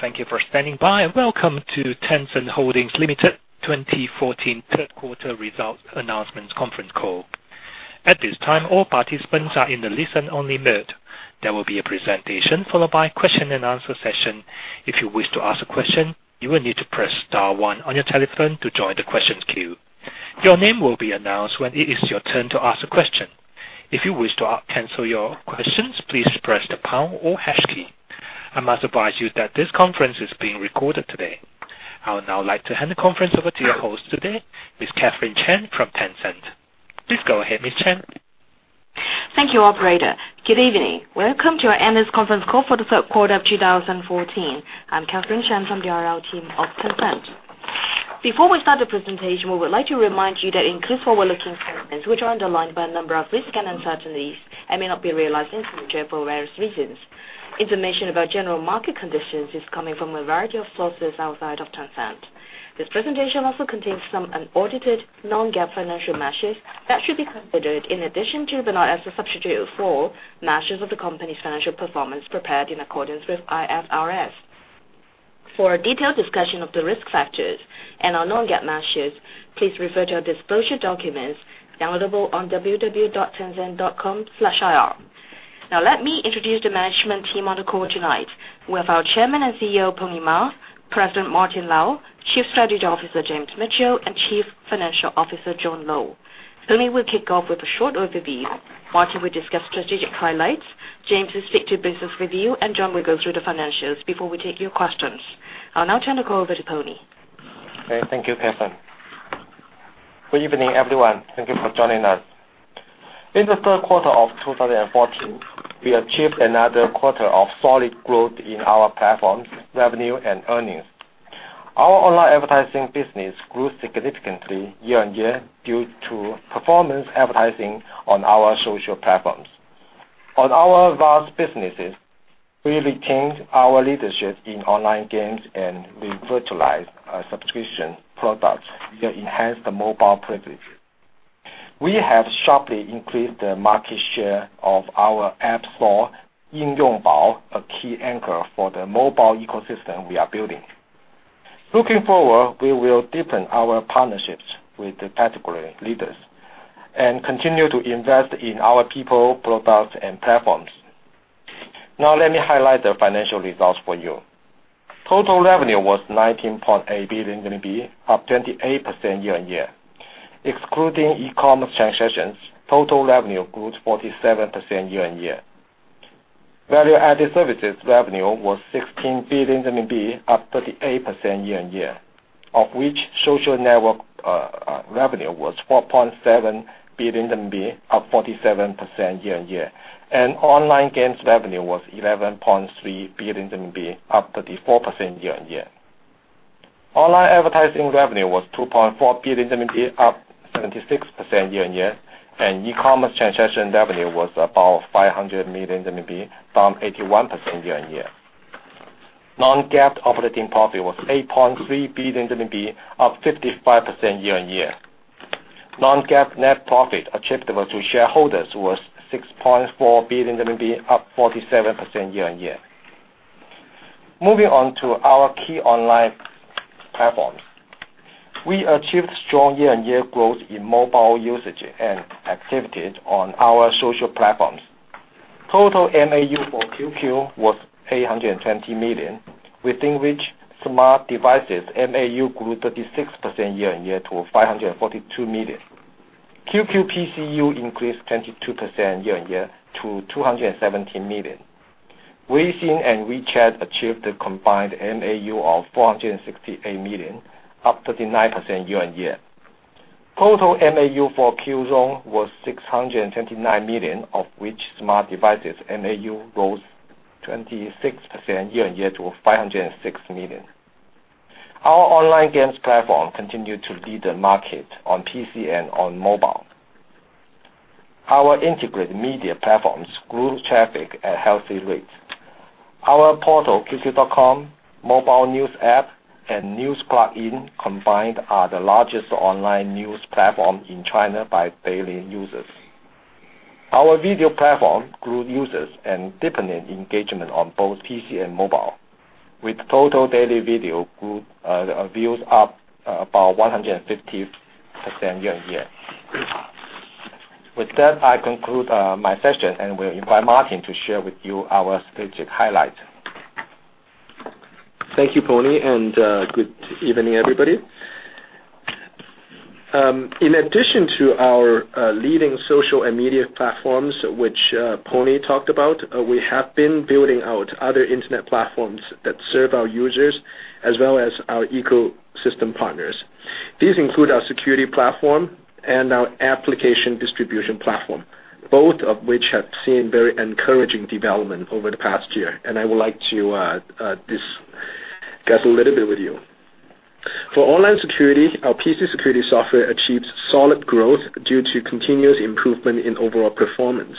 Thank you for standing by, welcome to Tencent Holdings Limited 2014 third quarter results announcement conference call. At this time, all participants are in the listen-only mode. There will be a presentation followed by question and answer session. If you wish to ask a question, you will need to press star one on your telephone to join the questions queue. Your name will be announced when it is your turn to ask a question. If you wish to cancel your questions, please press the pound or hash key. I must advise you that this conference is being recorded today. I would now like to hand the conference over to your host today, Ms. Catherine Chan from Tencent. Please go ahead, Ms. Chan. Thank you, operator. Good evening. Welcome to our earnings conference call for the third quarter of 2014. I'm Catherine Chan from the IR team of Tencent. Before we start the presentation, we would like to remind you that it includes forward-looking statements which are underlined by a number of risks and uncertainties and may not be realized in future for various reasons. Information about general market conditions is coming from a variety of sources outside of Tencent. This presentation also contains some unaudited, Non-GAAP financial measures that should be considered in addition to, but not as a substitute for, measures of the company's financial performance prepared in accordance with IFRS. For a detailed discussion of the risk factors and our Non-GAAP measures, please refer to our disclosure documents downloadable on www.tencent.com/ir. Now let me introduce the management team on the call tonight. We have our Chairman and CEO, Pony Ma, President Martin Lau, Chief Strategy Officer James Mitchell, and Chief Financial Officer John Lo. Pony will kick off with a short overview. Martin will discuss strategic highlights. James will stick to business review, and John will go through the financials before we take your questions. I'll now turn the call over to Pony. Okay. Thank you, Catherine. Good evening, everyone. Thank you for joining us. In the third quarter of 2014, we achieved another quarter of solid growth in our platforms, revenue, and earnings. Our online advertising business grew significantly year-on-year due to performance advertising on our social platforms. On our various businesses, we retained our leadership in online games, and we virtualized our subscription products via enhanced mobile privileges. We have sharply increased the market share of our app store, Yingyongbao, a key anchor for the mobile ecosystem we are building. Looking forward, we will deepen our partnerships with the category leaders and continue to invest in our people, products, and platforms. Now let me highlight the financial results for you. Total revenue was 19.8 billion RMB, up 28% year-on-year. Excluding e-commerce transactions, total revenue grew 47% year-on-year. Value-added services revenue was 16 billion RMB, up 38% year-on-year, of which social network revenue was 4.7 billion RMB, up 47% year-on-year, and online games revenue was 11.3 billion RMB, up 34% year-on-year. Online advertising revenue was 2.4 billion, up 76% year-on-year, and e-commerce transaction revenue was about 500 million, down 81% year-on-year. Non-GAAP operating profit was 8.3 billion RMB, up 55% year-on-year. Non-GAAP net profit attributable to shareholders was 6.4 billion RMB, up 47% year-on-year. Moving on to our key online platforms. We achieved strong year-on-year growth in mobile usage and activities on our social platforms. Total MAU for QQ was 820 million, within which smart devices' MAU grew 36% year-on-year to 542 million. QQ PCU increased 22% year-on-year to 217 million. Weixin and WeChat achieved a combined MAU of 468 million, up 39% year-on-year. Total MAU for Qzone was 629 million, of which smart devices MAU rose 26% year-on-year to 506 million. Our online games platform continued to lead the market on PC and on mobile. Our integrated media platforms grew traffic at healthy rates. Our portal, QQ.com, mobile news app, and news plugin combined are the largest online news platform in China by daily users. Our video platform grew users and deepened engagement on both PC and mobile, with total daily video views up about 150% year-on-year. With that, I conclude my session and will invite Martin to share with you our strategic highlights. Thank you, Pony, and good evening, everybody. In addition to our leading social and media platforms, which Pony talked about, we have been building out other internet platforms that serve our users as well as our ecosystem partners. These include our security platform and our application distribution platform, both of which have seen very encouraging development over the past year, and I would like to discuss a little bit with you. For online security, our PC security software achieved solid growth due to continuous improvement in overall performance.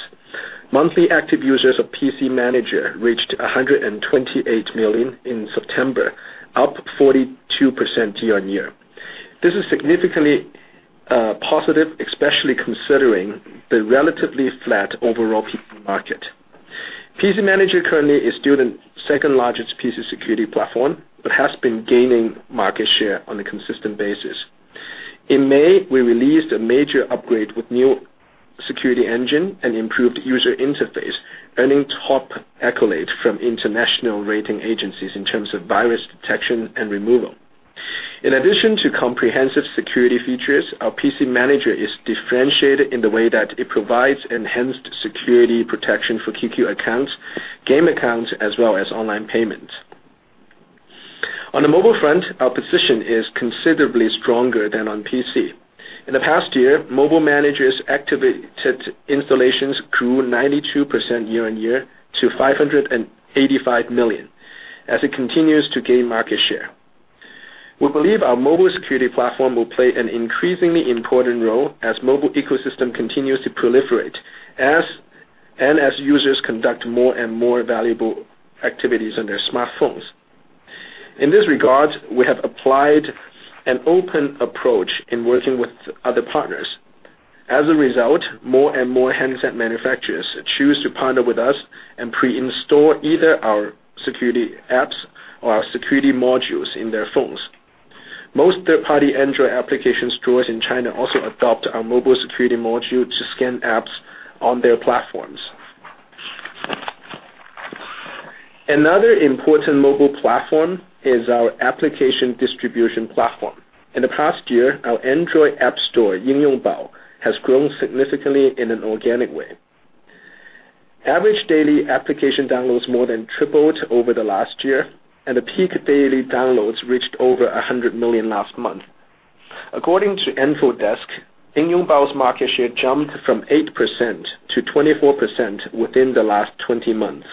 Monthly active users of PC Manager reached 128 million in September, up 42% year-on-year. This is significantly positive, especially considering the relatively flat overall PC market. PC Manager currently is still the second-largest PC security platform, but has been gaining market share on a consistent basis. In May, we released a major upgrade with new security engine and improved user interface, earning top accolades from international rating agencies in terms of virus detection and removal. In addition to comprehensive security features, our PC Manager is differentiated in the way that it provides enhanced security protection for QQ accounts, game accounts, as well as online payments. On the mobile front, our position is considerably stronger than on PC. In the past year, Mobile Manager's activated installations grew 92% year-on-year to 585 million as it continues to gain market share. We believe our mobile security platform will play an increasingly important role as mobile ecosystem continues to proliferate, and as users conduct more and more valuable activities on their smartphones. In this regard, we have applied an open approach in working with other partners. As a result, more and more handset manufacturers choose to partner with us and pre-install either our security apps or our security modules in their phones. Most third-party Android applications stores in China also adopt our mobile security module to scan apps on their platforms. Another important mobile platform is our application distribution platform. In the past year, our Android app store, Yingyongbao, has grown significantly in an organic way. Average daily application downloads more than tripled over the last year, and the peak daily downloads reached over 100 million last month. According to Enfodesk, Yingyongbao's market share jumped from 8% to 24% within the last 20 months.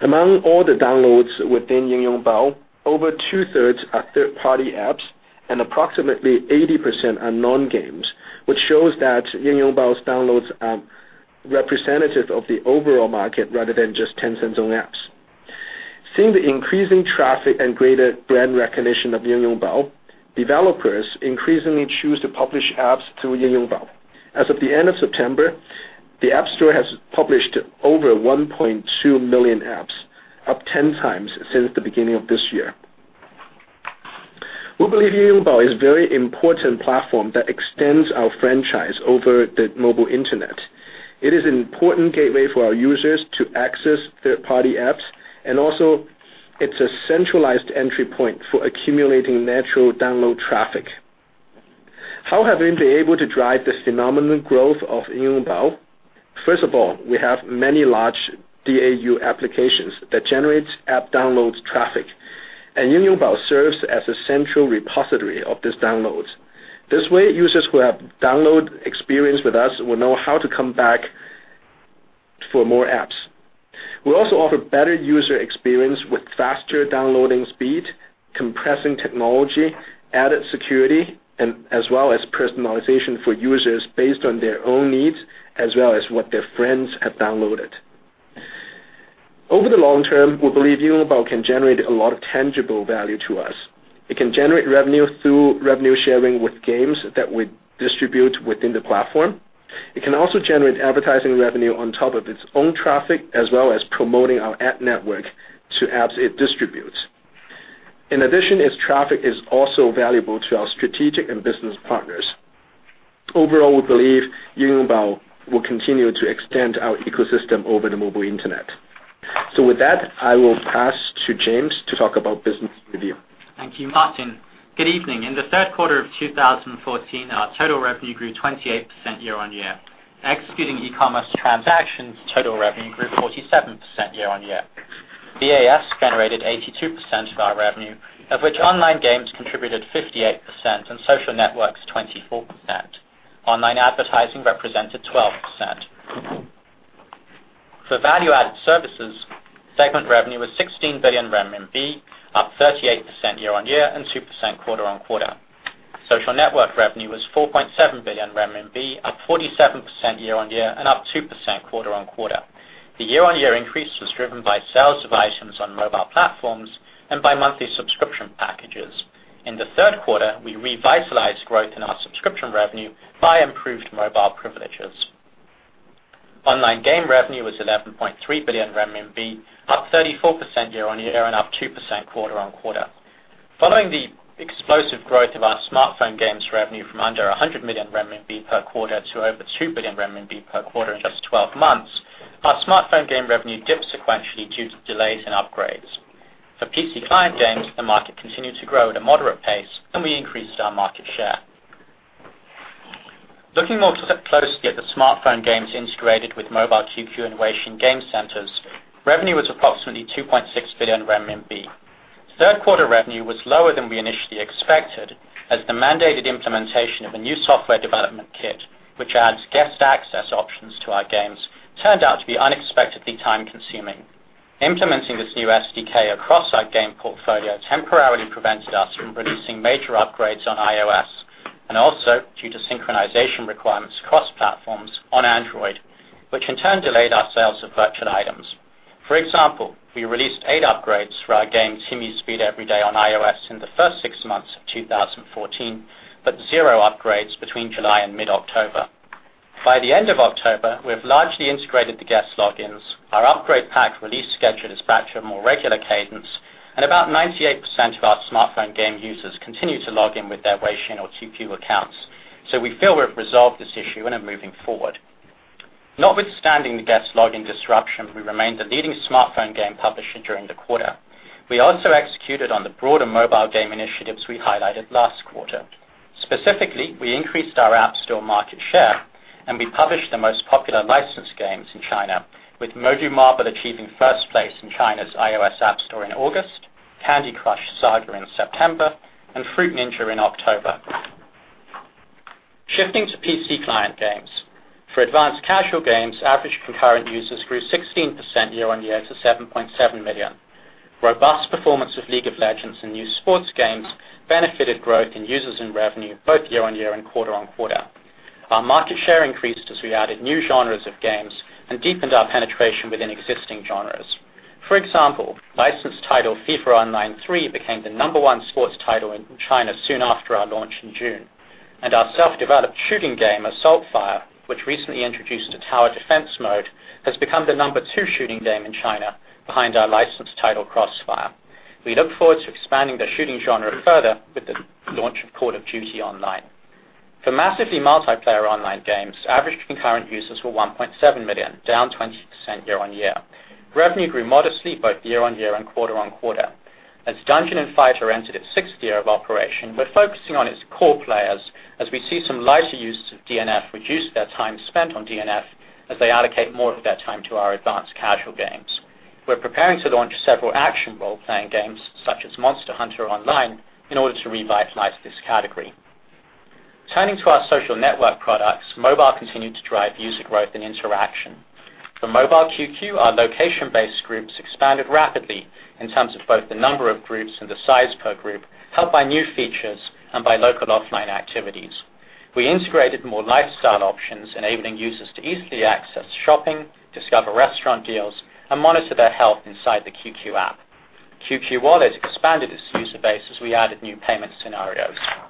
Among all the downloads within Yingyongbao, over two-thirds are third-party apps and approximately 80% are non-games, which shows that Yingyongbao's downloads are representative of the overall market rather than just Tencent's own apps. Seeing the increasing traffic and greater brand recognition of Yingyongbao, developers increasingly choose to publish apps through Yingyongbao. As of the end of September, the App Store has published over 1.2 million apps, up 10 times since the beginning of this year. We believe Yingyongbao is very important platform that extends our franchise over the mobile internet. It is an important gateway for our users to access third-party apps, also it's a centralized entry point for accumulating natural download traffic. How have we been able to drive this phenomenal growth of Yingyongbao? First of all, we have many large DAU applications that generates app downloads traffic, and Yingyongbao serves as a central repository of these downloads. This way, users who have download experience with us will know how to come back for more apps. We also offer better user experience with faster downloading speed, compressing technology, added security, and as well as personalization for users based on their own needs, as well as what their friends have downloaded. Over the long term, we believe Yingyongbao can generate a lot of tangible value to us. It can generate revenue through revenue sharing with games that we distribute within the platform. It can also generate advertising revenue on top of its own traffic, as well as promoting our app network to apps it distributes. In addition, its traffic is also valuable to our strategic and business partners. Overall, we believe Yingyongbao will continue to extend our ecosystem over the mobile internet. With that, I will pass to James to talk about business review. Thank you, Martin. Good evening. In the third quarter of 2014, our total revenue grew 28% year-on-year. Excluding e-commerce transactions, total revenue grew 47% year-on-year. VAS generated 82% of our revenue, of which online games contributed 58% and social networks, 24%. Online advertising represented 12%. For Value-Added Services, segment revenue was 16 billion RMB, up 38% year-on-year and 2% quarter-on-quarter. Social network revenue was 4.7 billion RMB, up 47% year-on-year and up 2% quarter-on-quarter. The year-on-year increase was driven by sales of items on mobile platforms and by monthly subscription packages. In the third quarter, we revitalized growth in our subscription revenue by improved mobile privileges. Online game revenue was 11.3 billion RMB, up 34% year-on-year and up 2% quarter-on-quarter. Following the explosive growth of our smartphone games revenue from under 100 million renminbi per quarter to over 2 billion renminbi per quarter in just 12 months, our smartphone game revenue dipped sequentially due to delays in upgrades. For PC client games, the market continued to grow at a moderate pace, and we increased our market share. Looking more closely at the smartphone games integrated with Mobile QQ and Weixin game centers, revenue was approximately 2.6 billion RMB. Third quarter revenue was lower than we initially expected, as the mandated implementation of a new software development kit, which adds guest access options to our games, turned out to be unexpectedly time-consuming. Implementing this new SDK across our game portfolio temporarily prevented us from releasing major upgrades on iOS, and also, due to synchronization requirements across platforms on Android, which in turn delayed our sales of virtual items. For example, we released eight upgrades for our game, Tiantian Feiche on iOS in the first 6 months of 2014, but zero upgrades between July and mid-October. By the end of October, we have largely integrated the guest logins, our upgrade pack release schedule is back to a more regular cadence, and about 98% of our smartphone game users continue to log in with their WeChat or QQ accounts. So we feel we've resolved this issue and are moving forward. Notwithstanding the guest login disruption, we remained the leading smartphone game publisher during the quarter. We also executed on the broader mobile game initiatives we highlighted last quarter. Specifically, we increased our App Store market share, and we published the most popular licensed games in China with Modoo Marble achieving 1st place in China's iOS App Store in August, Candy Crush Saga in September, and Fruit Ninja in October. Shifting to PC client games. For advanced casual games, average concurrent users grew 16% year-on-year to 7.7 million. Robust performance of League of Legends and new sports games benefited growth in users and revenue both year-on-year and quarter-on-quarter. Our market share increased as we added new genres of games and deepened our penetration within existing genres. For example, licensed title FIFA Online 3 became the number 1 sports title in China soon after our launch in June, and our self-developed shooting game, Assault Fire, which recently introduced a tower defense mode, has become the number 2 shooting game in China behind our licensed title, CrossFire. We look forward to expanding the shooting genre further with the launch of Call of Duty Online. For massively multiplayer online games, average concurrent users were 1.7 million, down 20% year-on-year. Revenue grew modestly both year-on-year and quarter-on-quarter. As Dungeon & Fighter entered its sixth year of operation, we're focusing on its core players as we see some lighter users of DNF reduce their time spent on DNF as they allocate more of their time to our advanced casual games. We're preparing to launch several action role-playing games such as Monster Hunter Online in order to revitalize this category. Turning to our social network products, mobile continued to drive user growth and interaction. For Mobile QQ, our location-based groups expanded rapidly in terms of both the number of groups and the size per group, helped by new features and by local offline activities. We integrated more lifestyle options, enabling users to easily access shopping, discover restaurant deals, and monitor their health inside the QQ app. QQ Wallet expanded its user base as we added new payment scenarios. For WeChat,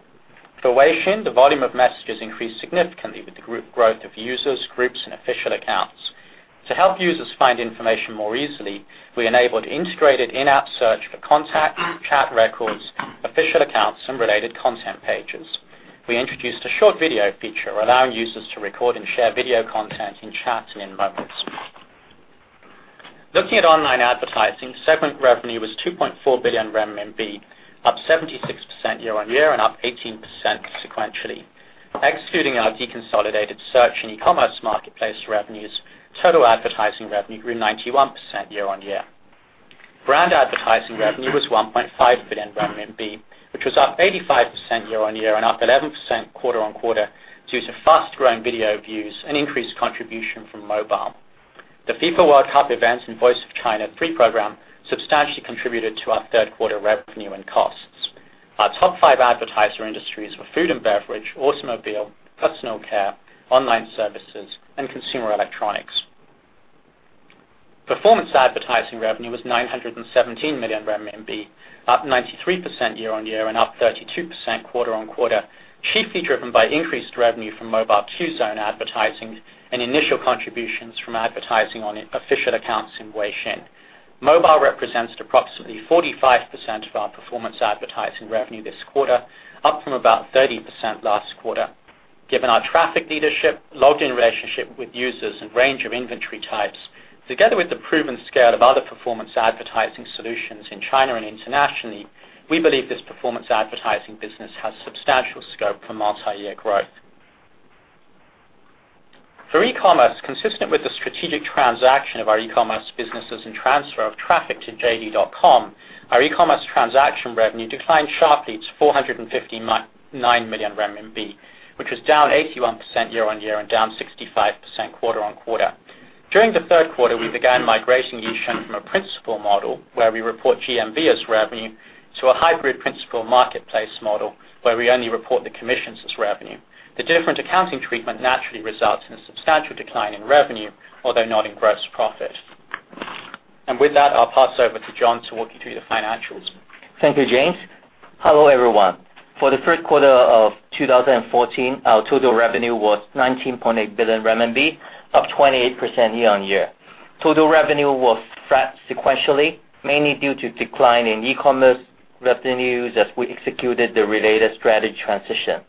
the volume of messages increased significantly with the growth of users, groups, and official accounts. To help users find information more easily, we enabled integrated in-app search for contact, chat records, official accounts, and related content pages. We introduced a short video feature allowing users to record and share video content in chats and in Moments. Looking at online advertising, segment revenue was 2.4 billion renminbi, up 76% year-on-year and up 18% sequentially. Excluding our deconsolidated search and e-commerce marketplace revenues, total advertising revenue grew 91% year-on-year. Brand advertising revenue was 1.5 billion RMB, which was up 85% year-on-year and up 11% quarter-on-quarter due to fast-growing video views and increased contribution from mobile. The FIFA World Cup events and The Voice of China (Season 3) program substantially contributed to our third quarter revenue and costs. Our top five advertiser industries were food and beverage, automobile, personal care, online services, and consumer electronics. Performance advertising revenue was 917 million RMB, up 93% year-on-year and up 32% quarter-on-quarter, chiefly driven by increased revenue from Mobile QZone advertising and initial contributions from advertising on official accounts in Weixin. Mobile represents approximately 45% of our performance advertising revenue this quarter, up from about 30% last quarter. Given our traffic leadership, logged-in relationship with users, and range of inventory types, together with the proven scale of other performance advertising solutions in China and internationally, we believe this performance advertising business has substantial scope for multiyear growth. For e-commerce, consistent with the strategic transaction of our e-commerce businesses and transfer of traffic to JD.com, our e-commerce transaction revenue declined sharply to 459 million renminbi, which was down 81% year-on-year and down 65% quarter-on-quarter. During the third quarter, we began migrating Yixun from a principal model, where we report GMV as revenue, to a hybrid principal/marketplace model, where we only report the commissions as revenue. The different accounting treatment naturally results in a substantial decline in revenue, although not in gross profit. With that, I'll pass over to John to walk you through the financials. Thank you, James. Hello, everyone. For the third quarter of 2014, our total revenue was 19.8 billion RMB, up 28% year-on-year. Total revenue was flat sequentially, mainly due to decline in e-commerce revenues as we executed the related strategy transition.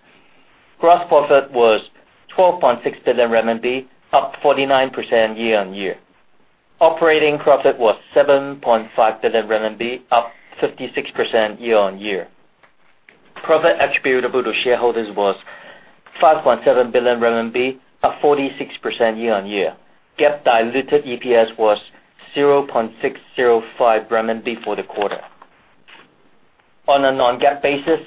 Gross profit was 12.6 billion RMB, up 49% year-on-year. Operating profit was 7.5 billion RMB, up 56% year-on-year. Profit attributable to shareholders was 5.7 billion RMB, up 46% year-on-year. GAAP diluted EPS was 0.605 RMB for the quarter. On a Non-GAAP basis,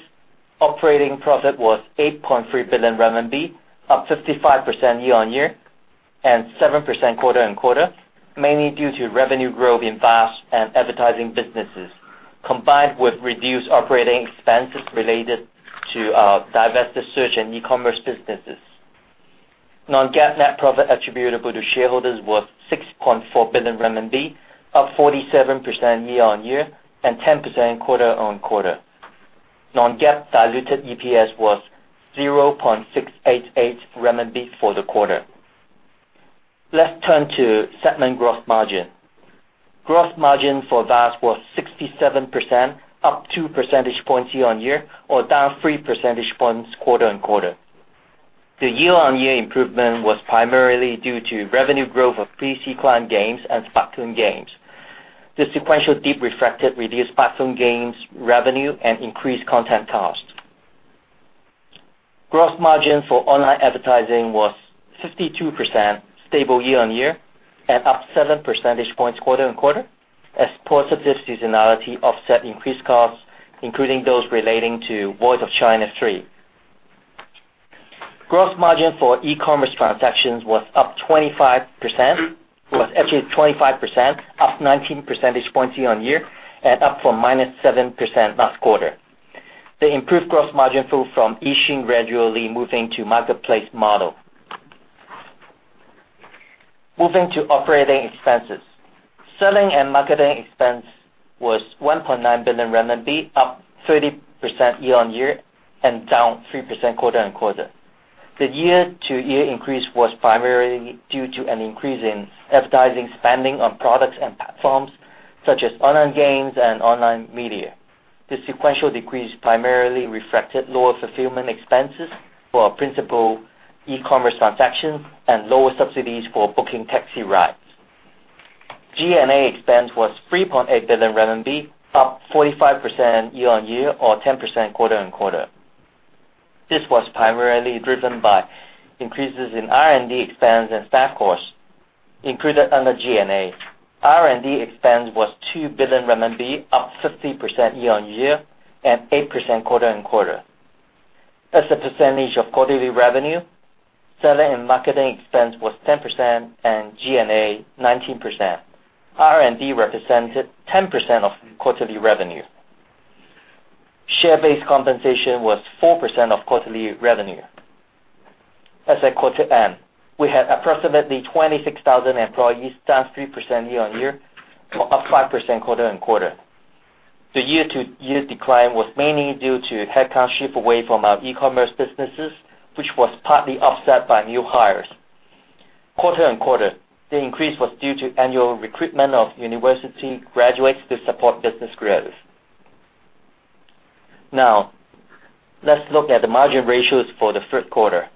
operating profit was 8.3 billion RMB, up 55% year-on-year and 7% quarter-on-quarter, mainly due to revenue growth in VAS and advertising businesses, combined with reduced operating expenses related to our divested search and e-commerce businesses. Non-GAAP net profit attributable to shareholders was 6.4 billion RMB, up 47% year-on-year and 10% quarter-on-quarter. Non-GAAP diluted EPS was 0.688 renminbi for the quarter. Let's turn to segment growth margin. Gross margin for VAS was 67%, up 2 percentage points year-on-year or down 3 percentage points quarter-on-quarter. The year-on-year improvement was primarily due to revenue growth of PC client games and platform games. The sequential dip reflected reduced platform games revenue and increased content costs. Gross margin for online advertising was 52%, stable year-on-year and up 7 percentage points quarter-on-quarter as sports event seasonality offset increased costs, including those relating to Voice of China 3. Gross margin for e-commerce transactions was actually 25%, up 19 percentage points year-on-year and up from -7% last quarter. The improved gross margin flowed from Yixin gradually moving to marketplace model. Moving to operating expenses. Selling and marketing expense was 1.9 billion RMB, up 30% year-on-year and down 3% quarter-on-quarter. The year-on-year increase was primarily due to an increase in advertising spending on products and platforms such as online games and online media. The sequential decrease primarily reflected lower fulfillment expenses for our principal e-commerce transactions and lower subsidies for booking taxi rides. G&A expense was 3.8 billion RMB, up 45% year-on-year or 10% quarter-on-quarter. This was primarily driven by increases in R&D expense and staff costs included under G&A. R&D expense was 2 billion RMB, up 50% year-on-year and 8% quarter-on-quarter. As a percentage of quarterly revenue, selling and marketing expense was 10% and G&A 19%. R&D represented 10% of quarterly revenue. Share-based compensation was 4% of quarterly revenue. As at quarter end, we had approximately 26,000 employees, down 3% year-on-year or up 5% quarter-on-quarter. The year-on-year decline was mainly due to headcount shift away from our e-commerce businesses, which was partly offset by new hires. Quarter-on-quarter, the increase was due to annual recruitment of university graduates to support business growth. Now, let's look at the margin ratios for the third quarter.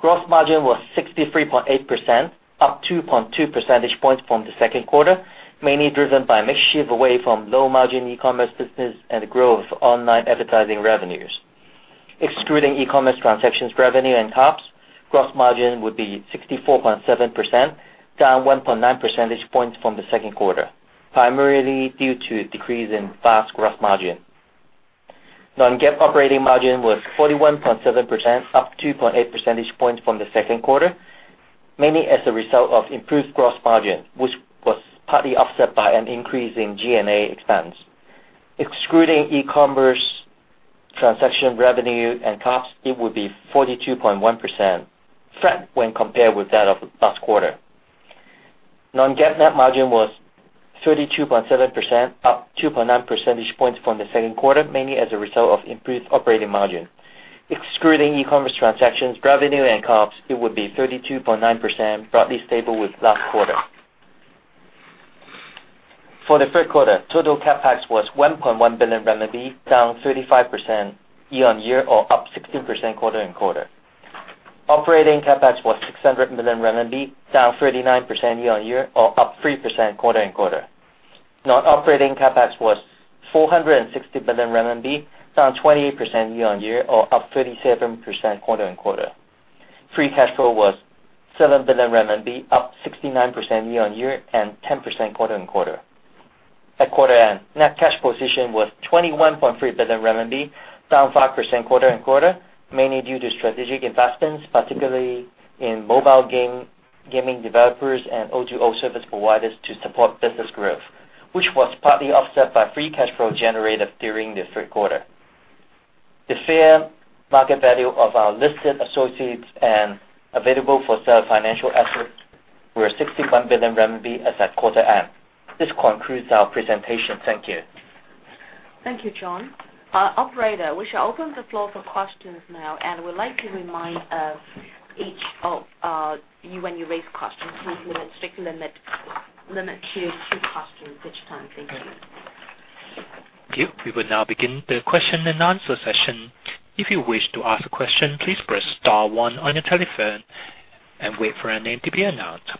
Gross margin was 63.8%, up 2.2 percentage points from the second quarter, mainly driven by a mix shift away from low-margin e-commerce business and the growth of online advertising revenues. Excluding e-commerce transactions revenue and costs, gross margin would be 64.7%, down 1.9 percentage points from the second quarter, primarily due to a decrease in VAS gross margin. Non-GAAP operating margin was 41.7%, up 2.8 percentage points from the second quarter, mainly as a result of improved gross margin, which was partly offset by an increase in G&A expense. Excluding e-commerce transaction revenue and costs, it would be 42.1%, flat when compared with that of last quarter. Non-GAAP net margin was 32.7%, up 2.9 percentage points from the second quarter, mainly as a result of improved operating margin. Excluding e-commerce transactions revenue and costs, it would be 32.9%, roughly stable with last quarter. For the third quarter, total CapEx was 1.1 billion RMB, down 35% year-on-year or up 16% quarter-on-quarter. Operating CapEx was 600 million RMB, down 39% year-on-year or up 3% quarter-on-quarter. Non-operating CapEx was 460 million renminbi, down 28% year-on-year or up 37% quarter-on-quarter. Free cash flow was 7 billion RMB, up 69% year-on-year and 10% quarter-on-quarter. At quarter end, net cash position was 21.3 billion RMB, down 5% quarter-on-quarter, mainly due to strategic investments, particularly in mobile gaming developers and O2O service providers to support business growth, which was partly offset by free cash flow generated during the third quarter. The fair market value of our listed associates and available-for-sale financial assets were 61 billion RMB as at quarter end. This concludes our presentation. Thank you. Thank you, John. Operator, we shall open the floor for questions now. We would like to remind when you raise questions, please strictly limit to two questions each time. Thank you. Thank you. We will now begin the question and answer session. If you wish to ask a question, please press star 1 on your telephone and wait for your name to be announced.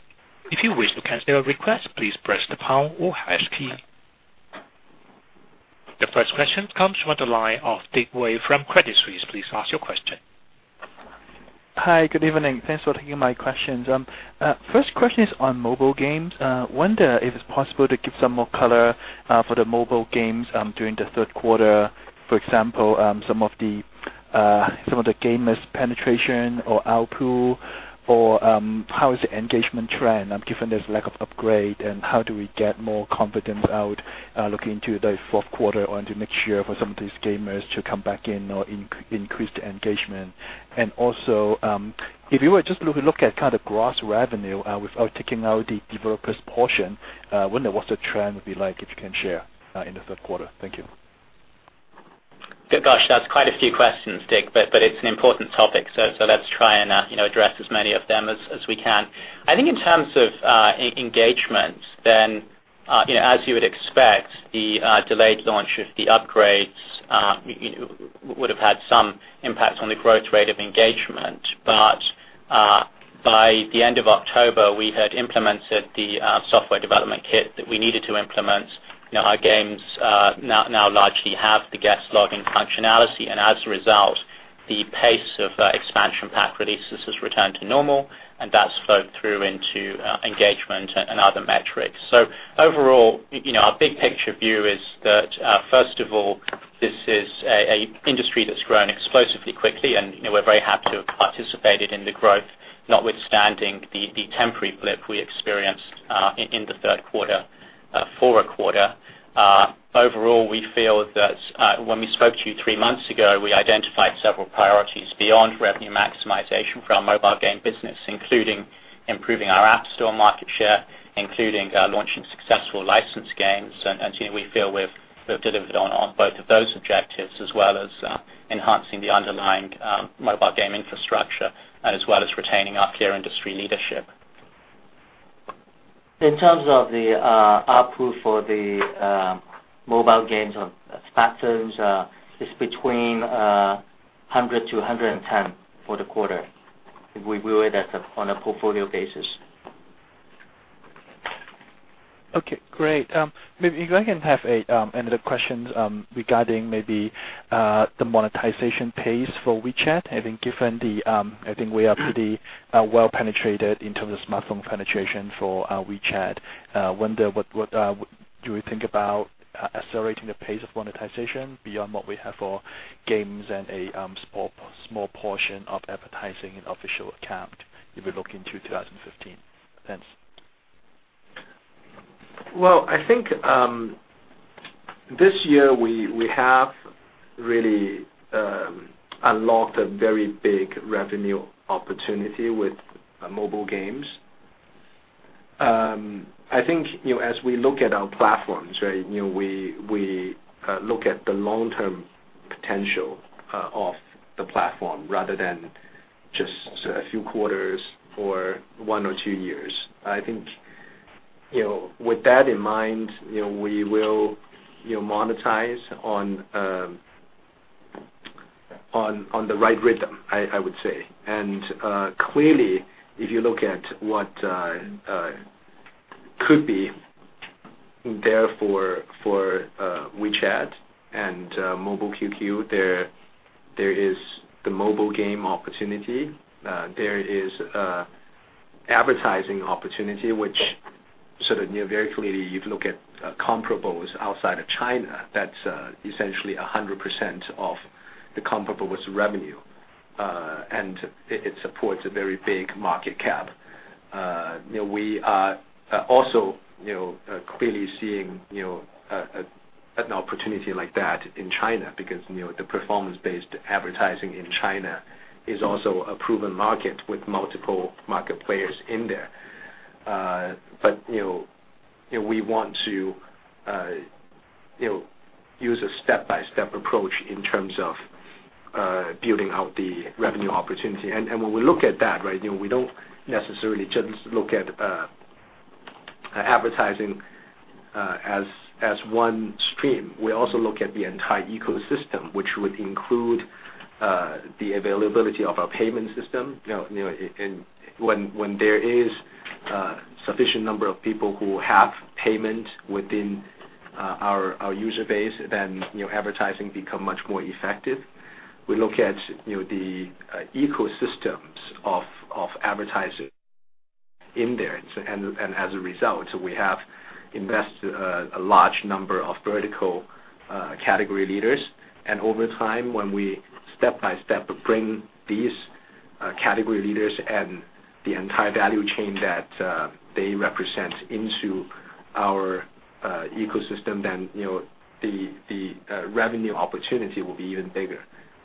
If you wish to cancel a request, please press the pound or hash key. The first question comes from the line of Dick Wei from Credit Suisse. Please ask your question. Hi. Good evening. Thanks for taking my questions. First question is on mobile games. Wonder if it's possible to give some more color for the mobile games during the third quarter, for example, some of the gamers penetration or output or how is the engagement trend given there's lack of upgrade and how do we get more confidence out looking into the fourth quarter on the mixture for some of these gamers to come back in or increase the engagement? Also, if you were just to look at kind of gross revenue without taking out the developer's portion, wonder what the trend would be like, if you can share in the third quarter. Thank you. Gosh, that's quite a few questions, Dick. It's an important topic. Let's try and address as many of them as we can. I think in terms of engagement, as you would expect, the delayed launch of the upgrades would have had some impact on the growth rate of engagement. By the end of October, we had implemented the software development kit that we needed to implement. Our games now largely have the guest login functionality. As a result, the pace of expansion pack releases has returned to normal. That's flowed through into engagement and other metrics. Overall, our big picture view is that, first of all, this is an industry that's grown explosively quickly, and we're very happy to have participated in the growth, notwithstanding the temporary blip we experienced in the third quarter, fourth quarter. Overall, we feel that when we spoke to you three months ago, we identified several priorities beyond revenue maximization for our mobile game business, including improving our App Store market share, including launching successful licensed games. We feel we've delivered on both of those objectives, as well as enhancing the underlying mobile game infrastructure, as well as retaining our clear industry leadership. In terms of the output for the mobile games or patterns, it's between 100-110 for the quarter. We view it on a portfolio basis. Okay, great. Maybe you can have another question regarding maybe the monetization pace for WeChat. I think we are pretty well penetrated in terms of smartphone penetration for our WeChat. Wonder what do you think about accelerating the pace of monetization beyond what we have for games and a small portion of advertising an official account if you look into 2015? Thanks. Well, I think this year we have really unlocked a very big revenue opportunity with mobile games. I think as we look at our platforms, we look at the long-term potential of the platform rather than just a few quarters or one or two years. I think, with that in mind, we will monetize on the right rhythm, I would say. Clearly, if you look at what could be there for WeChat and Mobile QQ, there is the mobile game opportunity. There is advertising opportunity, which sort of very clearly if you look at comparables outside of China, that's essentially 100% of the comparable's revenue, and it supports a very big market cap. We are also clearly seeing an opportunity like that in China because the performance-based advertising in China is also a proven market with multiple market players in there. We want to use a step-by-step approach in terms of building out the revenue opportunity. When we look at that, we don't necessarily just look at advertising as one stream. We also look at the entire ecosystem, which would include the availability of our payment system. When there is a sufficient number of people who have payment within our user base, then advertising become much more effective. We look at the ecosystems of advertisers in there. As a result, we have invested a large number of vertical category leaders. Over time, when we step-by-step bring these category leaders and the entire value chain that they represent into our ecosystem, then the revenue opportunity will be even bigger.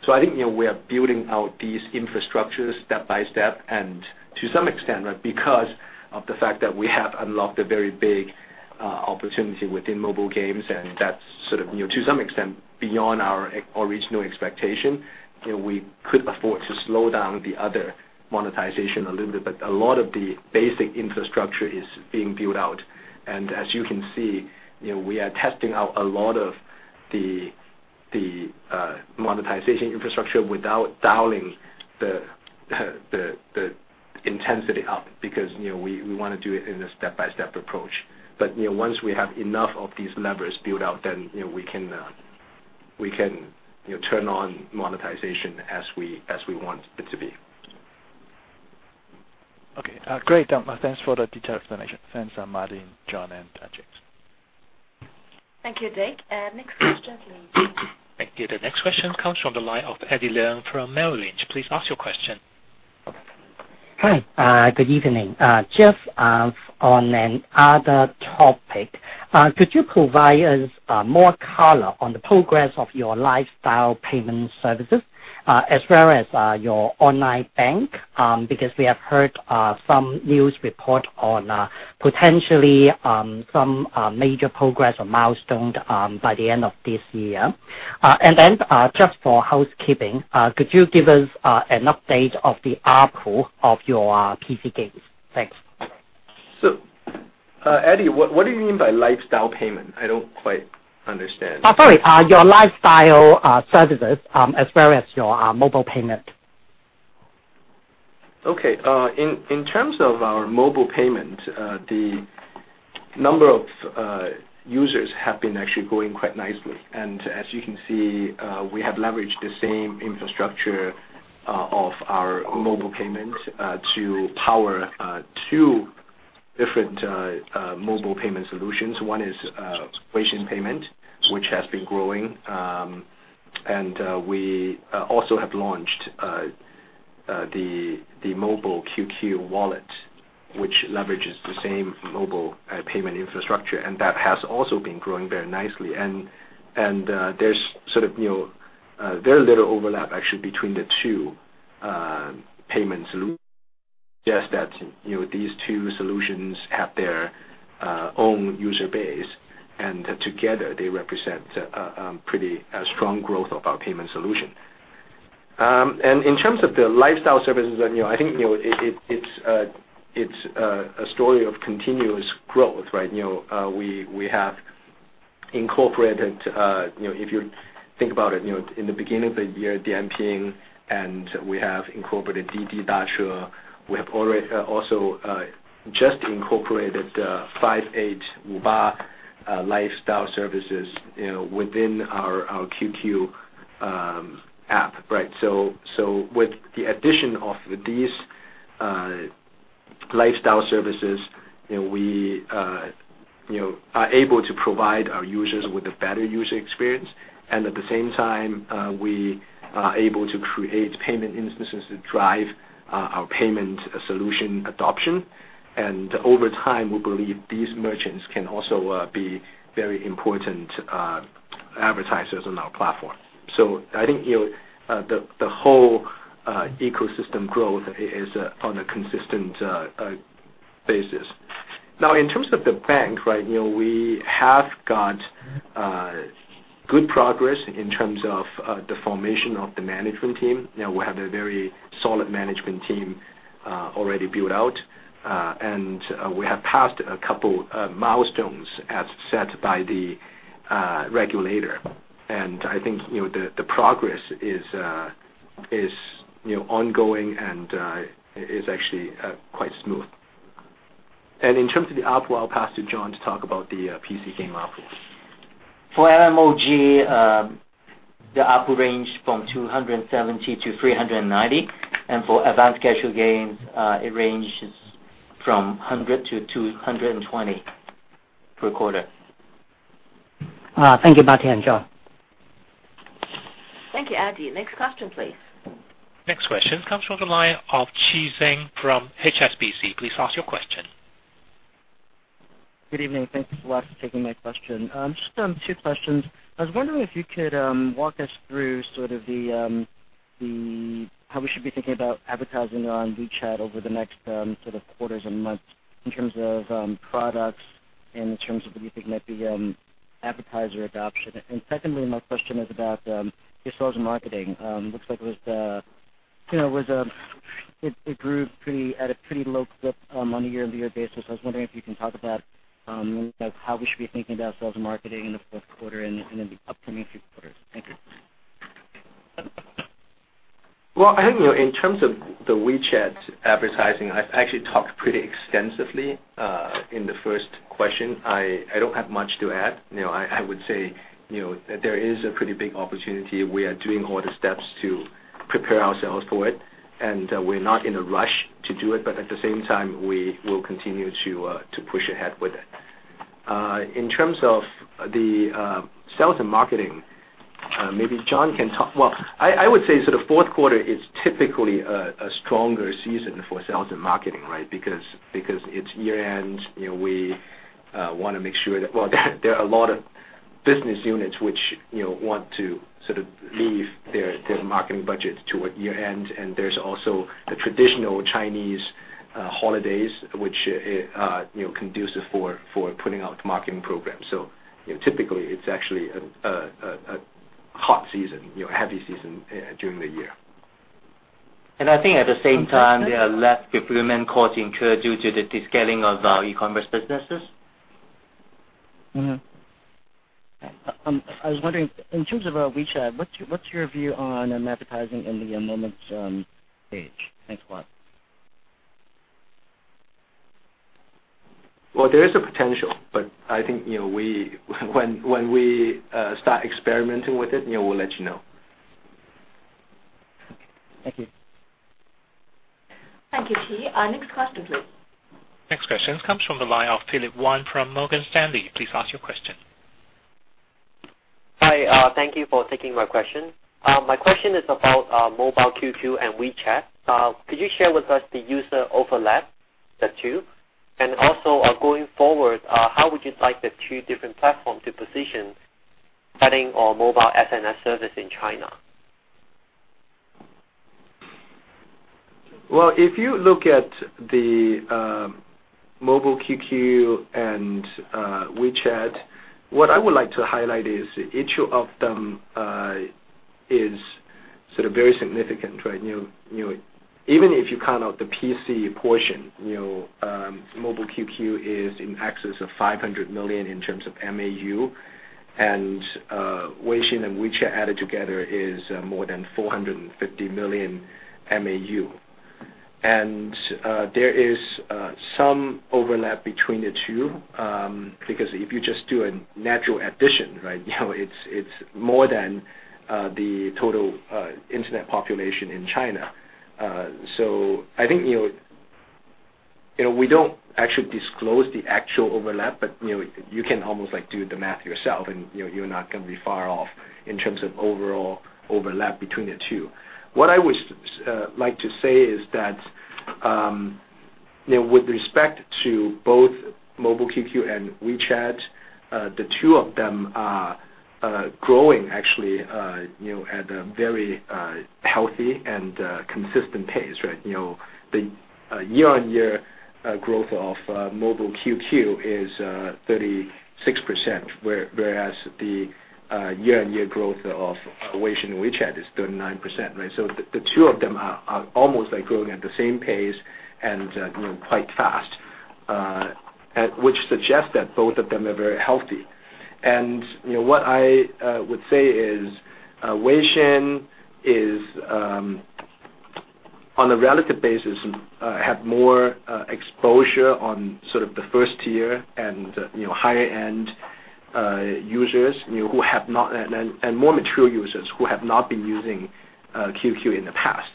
I think we are building out these infrastructures step-by-step. To some extent, because of the fact that we have unlocked a very big opportunity within mobile games, that's sort of to some extent beyond our original expectation, we could afford to slow down the other monetization a little bit. A lot of the basic infrastructure is being built out. As you can see, we are testing out a lot of the monetization infrastructure without dialing the intensity up because we want to do it in a step-by-step approach. Once we have enough of these levers built out, then we can turn on monetization as we want it to be. Okay, great. Thanks for the detailed explanation. Thanks, Martin, John, and James. Thank you, Dick. Next question, please. Thank you. The next question comes from the line of Eddie Leung from Merrill Lynch. Please ask your question. Hi, good evening. Just on another topic, could you provide us more color on the progress of your lifestyle payment services as well as your online bank? We have heard some news report on potentially some major progress or milestone by the end of this year. Just for housekeeping, could you give us an update of the ARPU of your PC games? Thanks. Eddie, what do you mean by lifestyle payment? I don't quite understand. Sorry, your lifestyle services as well as your mobile payment. Okay. In terms of our mobile payment, the number of users have been actually growing quite nicely. As you can see, we have leveraged the same infrastructure of our mobile payment to power two different mobile payment solutions. One is Weixin Pay, which has been growing. We also have launched the mobile QQ Wallet, which leverages the same mobile payment infrastructure, and that has also been growing very nicely. There's very little overlap actually between the two payment solutions. Just that these two solutions have their own user base, and together they represent a pretty strong growth of our payment solution. In terms of the lifestyle services, I think it's a story of continuous growth, right? We have incorporated, if you think about it, in the beginning of the year, Dianping, and we have incorporated Didi Dache. We have also just incorporated 58.com, wu ba, lifestyle services within our QQ app, right? With the addition of these lifestyle services, we are able to provide our users with a better user experience. At the same time, we are able to create payment instances to drive our payment solution adoption. Over time, we believe these merchants can also be very important advertisers on our platform. I think the whole ecosystem growth is on a consistent basis. Now, in terms of the bank, we have got good progress in terms of the formation of the management team. We have a very solid management team already built out. We have passed a couple of milestones as set by the regulator. I think the progress is ongoing and is actually quite smooth. In terms of the ARPU, I'll pass to John to talk about the PC game ARPU. For MMOG, the ARPU range from 270-390, and for advanced casual games, it ranges from 100-220 per quarter. Thank you, Martin and John. Thank you, Eddie. Next question, please. Next question comes from the line of Qi Zheng from HSBC. Please ask your question. Good evening. Thanks a lot for taking my question. Just two questions. I was wondering if you could walk us through how we should be thinking about advertising on WeChat over the next sort of quarters and months in terms of products and in terms of what you think might be advertiser adoption. Secondly, my question is about your sales and marketing. Looks like it grew at a pretty low clip on a year-over-year basis. I was wondering if you can talk about how we should be thinking about sales and marketing in the fourth quarter and in the upcoming few quarters. Thank you. I think in terms of the WeChat advertising, I've actually talked pretty extensively in the first question. I don't have much to add. I would say that there is a pretty big opportunity. We are doing all the steps to prepare ourselves for it, and we're not in a rush to do it. At the same time, we will continue to push ahead with it. In terms of the sales and marketing, maybe John can talk. I would say sort of fourth quarter is typically a stronger season for sales and marketing, right? Because it's year-end, we want to make sure that, well, there are a lot of business units which want to leave their marketing budgets toward year-end, and there's also the traditional Chinese holidays, which are conducive for putting out marketing programs. Typically, it's actually a hot season, a heavy season during the year. I think at the same time, there are less fulfillment costs incurred due to the scaling of our e-commerce businesses. I was wondering, in terms of WeChat, what's your view on advertising in the Moments page? Thanks a lot. There is a potential, I think when we start experimenting with it, we'll let you know. Okay. Thank you. Thank you, Qi. Our next question, please. Next question comes from the line of Philip Wan from Morgan Stanley. Please ask your question. Hi. Thank you for taking my question. My question is about Mobile QQ and WeChat. Could you share with us the user overlap of the two? Also, going forward, how would you like the two different platforms to position setting our mobile SNS service in China? Well, if you look at the Mobile QQ and WeChat, what I would like to highlight is each of them is sort of very significant. Even if you count out the PC portion, Mobile QQ is in excess of 500 million in terms of MAU, and Weixin and WeChat added together is more than 450 million MAU. There is some overlap between the two, because if you just do a natural addition, it's more than the total internet population in China. I think, we don't actually disclose the actual overlap, but you can almost do the math yourself, and you're not going to be far off in terms of overall overlap between the two. What I would like to say is that, with respect to both Mobile QQ and WeChat, the two of them are growing actually at a very healthy and consistent pace. The year-on-year growth of Mobile QQ is 36%, whereas the year-on-year growth of Weixin and WeChat is 39%. The two of them are almost growing at the same pace and quite fast, which suggests that both of them are very healthy. What I would say is, Weixin is, on a relative basis, have more exposure on sort of the first tier and higher end users, and more mature users who have not been using QQ in the past.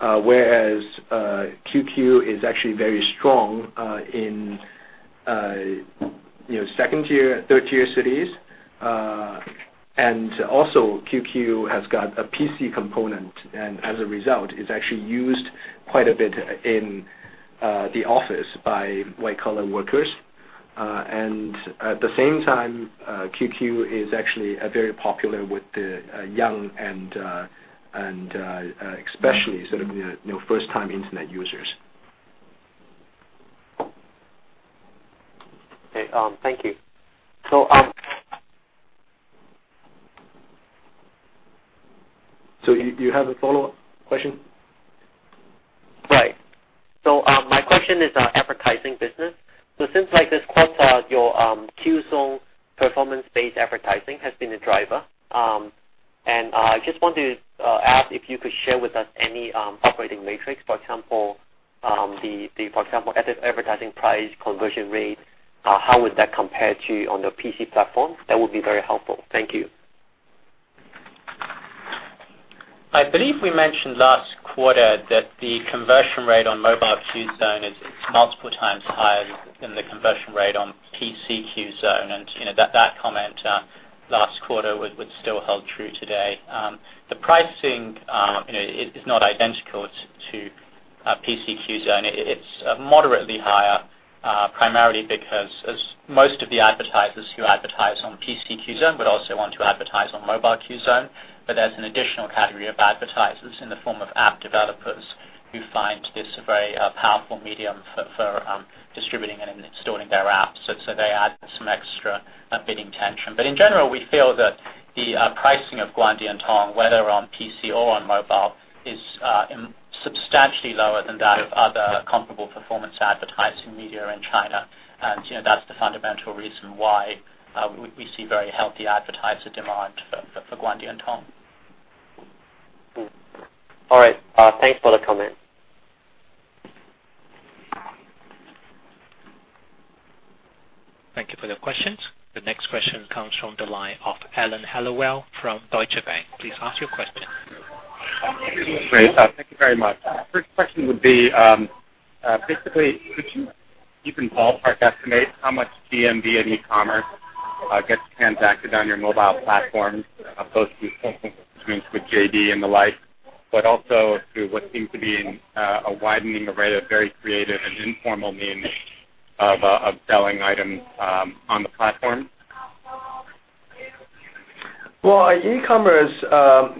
Whereas QQ is actually very strong in second tier, third tier cities. Also QQ has got a PC component and as a result, is actually used quite a bit in the office by white collar workers. At the same time, QQ is actually very popular with the young and especially sort of first time internet users. Okay. Thank you. You have a follow-up question? Right. My question is on advertising business. Since this quarter, your QZone performance-based advertising has been a driver. I just want to ask if you could share with us any operating metrics, for example, the advertising price conversion rate, how would that compare to on the PC platform? That would be very helpful. Thank you. I believe we mentioned last quarter that the conversion rate on Mobile QZone is multiple times higher than the conversion rate on PC QZone. That comment last quarter would still hold true today. The pricing is not identical to PC QZone. It is moderately higher, primarily because most of the advertisers who advertise on PC QZone would also want to advertise on Mobile QZone. There is an additional category of advertisers in the form of app developers who find this a very powerful medium for distributing and installing their apps. They add some extra bidding tension. In general, we feel that the pricing of Guangdiantong, whether on PC or on mobile, is substantially lower than that of other comparable performance advertising media in China. That is the fundamental reason why we see very healthy advertiser demand for Guangdiantong. All right. Thanks for the comment. Thank you for your questions. The next question comes from the line of Alan Hellawell from Deutsche Bank. Please ask your question. Great. Thank you very much. First question would be, basically, could you even ballpark estimate how much GMV in e-commerce gets transacted on your mobile platforms, both through agreements with JD.com and the like, but also through what seems to be a widening array of very creative and informal means of selling items on the platform? Well, in e-commerce,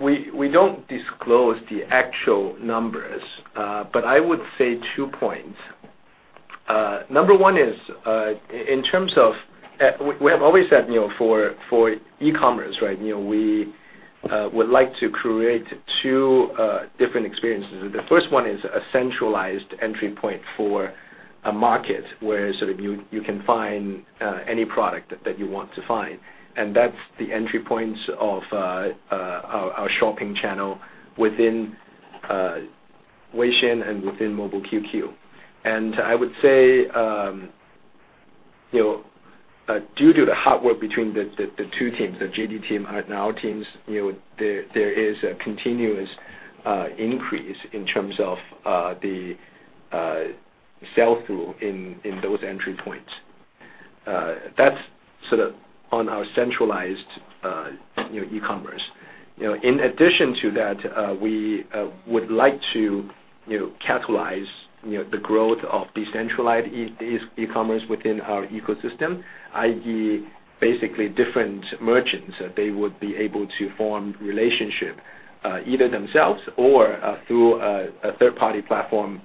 we don't disclose the actual numbers. I would say two points. Number one is, we have always said, for e-commerce, we would like to create two different experiences. The first one is a centralized entry point for a market where sort of you can find any product that you want to find. That's the entry points of our shopping channel within Weixin and within Mobile QQ. I would say, due to the hard work between the two teams, the JD.com team and our teams, there is a continuous increase in terms of the sell through in those entry points. That's sort of on our centralized e-commerce. In addition to that, we would like to catalyze the growth of decentralized e-commerce within our ecosystem, i.e., basically different merchants, that they would be able to form relationship, either themselves or through a third-party platform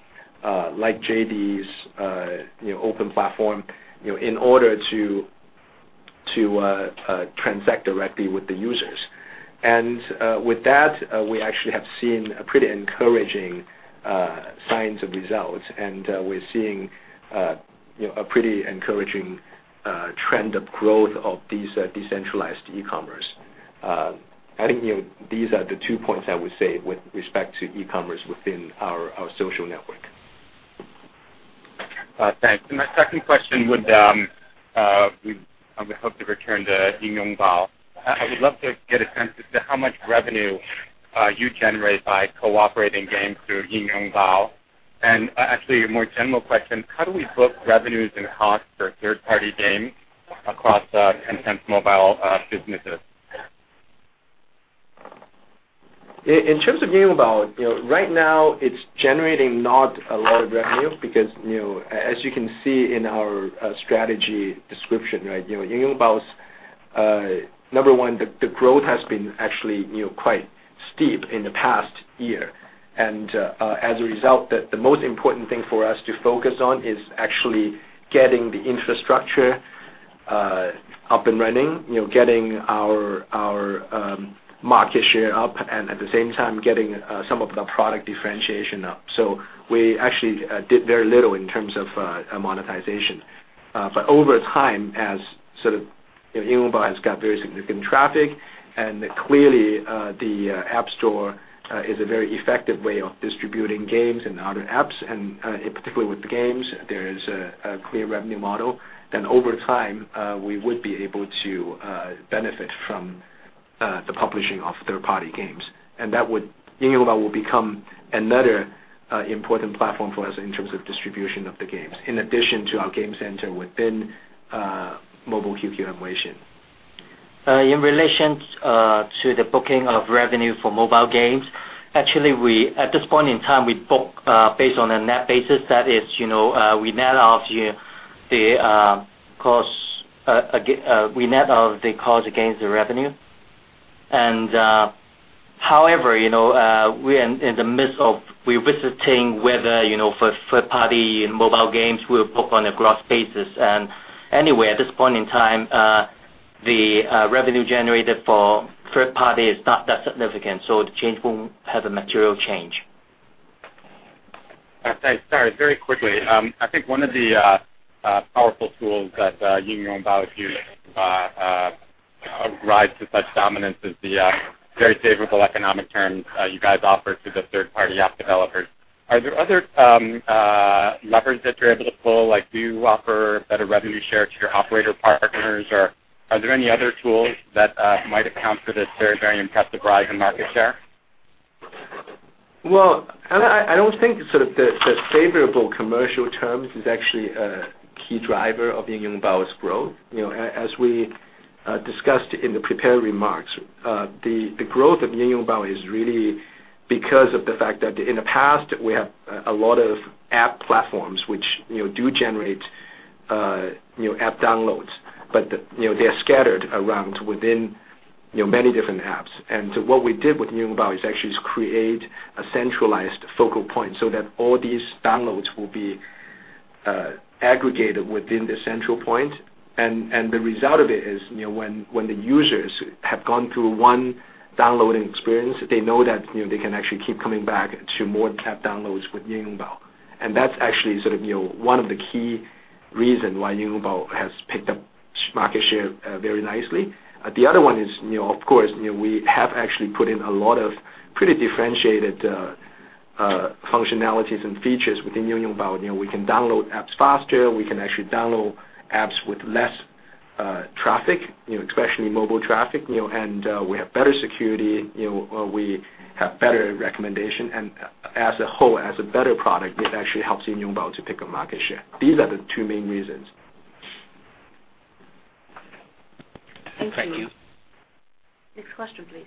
like JD.com's open platform, to transact directly with the users. With that, we actually have seen pretty encouraging signs of results, and we're seeing a pretty encouraging trend of growth of these decentralized e-commerce. I think these are the two points I would say with respect to e-commerce within our social network. Thanks. My second question would be, we hope to return to Yingyongbao. I would love to get a sense as to how much revenue you generate by cooperating games through Yingyongbao. Actually, a more general question, how do we book revenues and costs for third-party games across Tencent's mobile businesses? In terms of Yingyongbao, right now it's generating not a lot of revenue because, as you can see in our strategy description, Yingyongbao's, number 1, the growth has been actually quite steep in the past year. As a result, the most important thing for us to focus on is actually getting the infrastructure up and running, getting our market share up, and at the same time, getting some of the product differentiation up. We actually did very little in terms of monetization. Over time, as sort of Yingyongbao has got very significant traffic, and clearly, the App Store is a very effective way of distributing games and other apps. Particularly with games, there is a clear revenue model. Over time, we would be able to benefit from the publishing of third-party games. Yingyongbao will become another important platform for us in terms of distribution of the games, in addition to our game center within Mobile QQ application. In relation to the booking of revenue for mobile games, actually, at this point in time, we book based on a net basis. That is, we net out the cost against the revenue. However, we are in the midst of revisiting whether, for third-party mobile games, we'll book on a gross basis. Anyway, at this point in time, the revenue generated for third-party is not that significant, so the change won't have a material change. Thanks. Sorry, very quickly. I think one of the powerful tools that Yingyongbao used to rise to such dominance is the very favorable economic terms you guys offer to the third-party app developers. Are there other levers that you're able to pull? Do you offer better revenue share to your operator partners, or are there any other tools that might account for this very impressive rise in market share? Well, I don't think the favorable commercial terms is actually a key driver of Yingyongbao's growth. As we discussed in the prepared remarks, the growth of Yingyongbao is really because of the fact that in the past, we have a lot of app platforms which do generate app downloads, but they are scattered around within many different apps. What we did with Yingyongbao is actually just create a centralized focal point so that all these downloads will be aggregated within the central point. The result of it is, when the users have gone through one downloading experience, they know that they can actually keep coming back to more app downloads with Yingyongbao. That's actually one of the key reasons why Yingyongbao has picked up market share very nicely. The other one is, of course, we have actually put in a lot of pretty differentiated functionalities and features within Yingyongbao. We can download apps faster. We can actually download apps with less traffic, especially mobile traffic. We have better security, or we have better recommendation. As a whole, as a better product, it actually helps Yingyongbao to pick up market share. These are the two main reasons. Thank you. Thank you. Next question, please.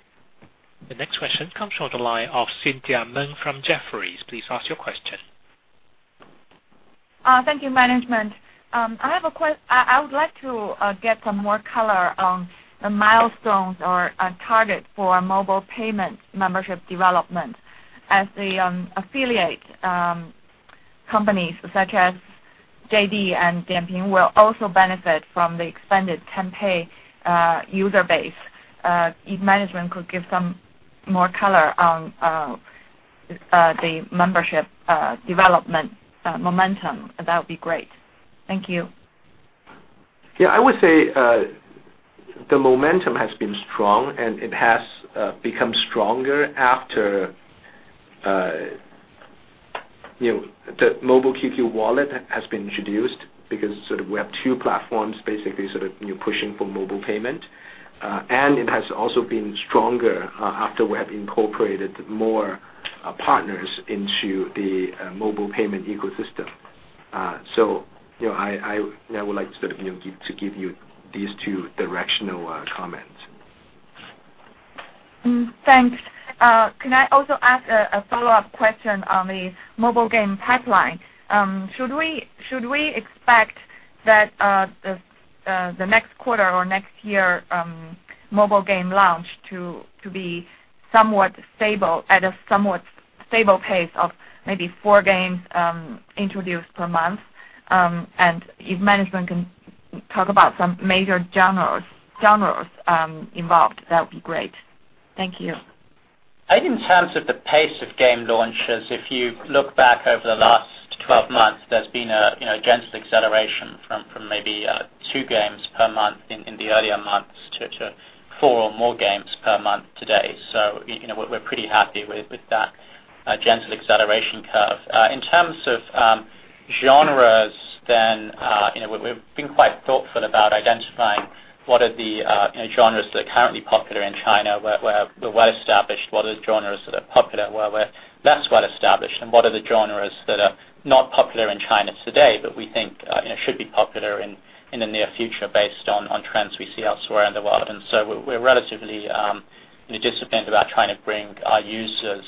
The next question comes from the line of Cynthia Meng from Jefferies. Please ask your question. Thank you, management. I would like to get some more color on the milestones or target for mobile payment membership development as the affiliate companies such as JD.com and Dianping will also benefit from the expanded TenPay user base. If management could give some more color on the membership development momentum, that would be great. Thank you. Yeah, I would say the momentum has been strong, and it has become stronger after the Mobile QQ Wallet has been introduced because we have two platforms, basically pushing for mobile payment. It has also been stronger after we have incorporated more partners into the mobile payment ecosystem. I would like to give you these two directional comments. Thanks. Can I also ask a follow-up question on the mobile game pipeline? Should we expect that the next quarter or next year mobile game launch to be at a somewhat stable pace of maybe four games introduced per month. If management can talk about some major genres involved, that would be great. Thank you. I think in terms of the pace of game launches, if you look back over the last 12 months, there's been a gentle acceleration from maybe two games per month in the earlier months to four or more games per month today. We're pretty happy with that gentle acceleration curve. In terms of genres, we've been quite thoughtful about identifying what are the genres that are currently popular in China, were well-established, what are the genres that are popular, were less well-established, and what are the genres that are not popular in China today, but we think should be popular in the near future based on trends we see elsewhere in the world. We're relatively disciplined about trying to bring our users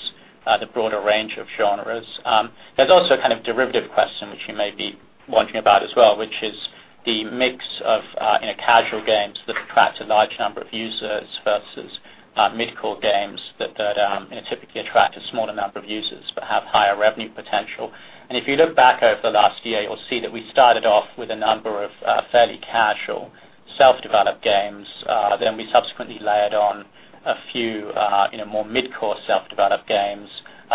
the broader range of genres. There's also a kind of derivative question, which you may be wondering about as well, which is the mix of casual games that attract a large number of users versus mid-core games that typically attract a smaller number of users but have higher revenue potential. If you look back over the last year, you'll see that we started off with a number of fairly casual self-developed games. We subsequently layered on a few more mid-core self-developed games.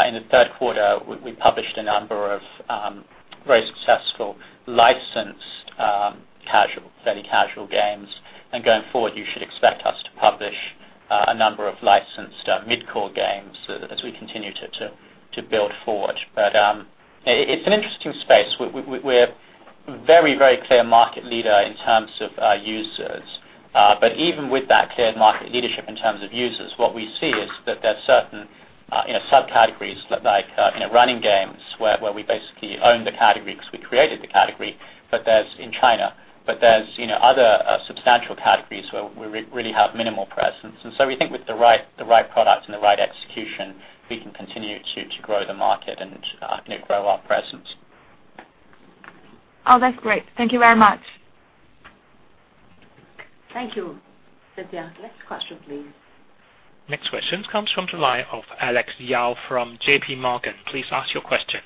In the third quarter, we published a number of very successful licensed fairly casual games. Going forward, you should expect us to publish a number of licensed mid-core games as we continue to build forward. It's an interesting space. We're very clear market leader in terms of our users. Even with that clear market leadership in terms of users, what we see is that there are certain subcategories, like running games, where we basically own the category because we created the category in China. There's other substantial categories where we really have minimal presence. We think with the right product and the right execution, we can continue to grow the market and grow our presence. Oh, that's great. Thank you very much. Thank you, Cynthia. Next question, please. Next question comes from the line of Alex Yao from J.P. Morgan. Please ask your question.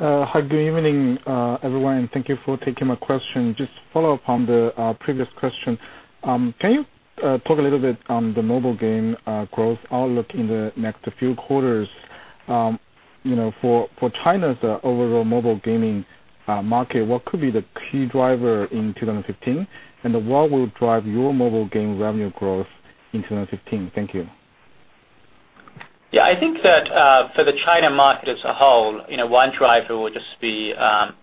Hi, good evening, everyone. Thank you for taking my question. Just to follow up on the previous question, can you talk a little bit on the mobile game growth outlook in the next few quarters? For China's overall mobile gaming market, what could be the key driver in 2015, and what will drive your mobile game revenue growth in 2015? Thank you. Yeah, I think that for the China market as a whole, one driver will just be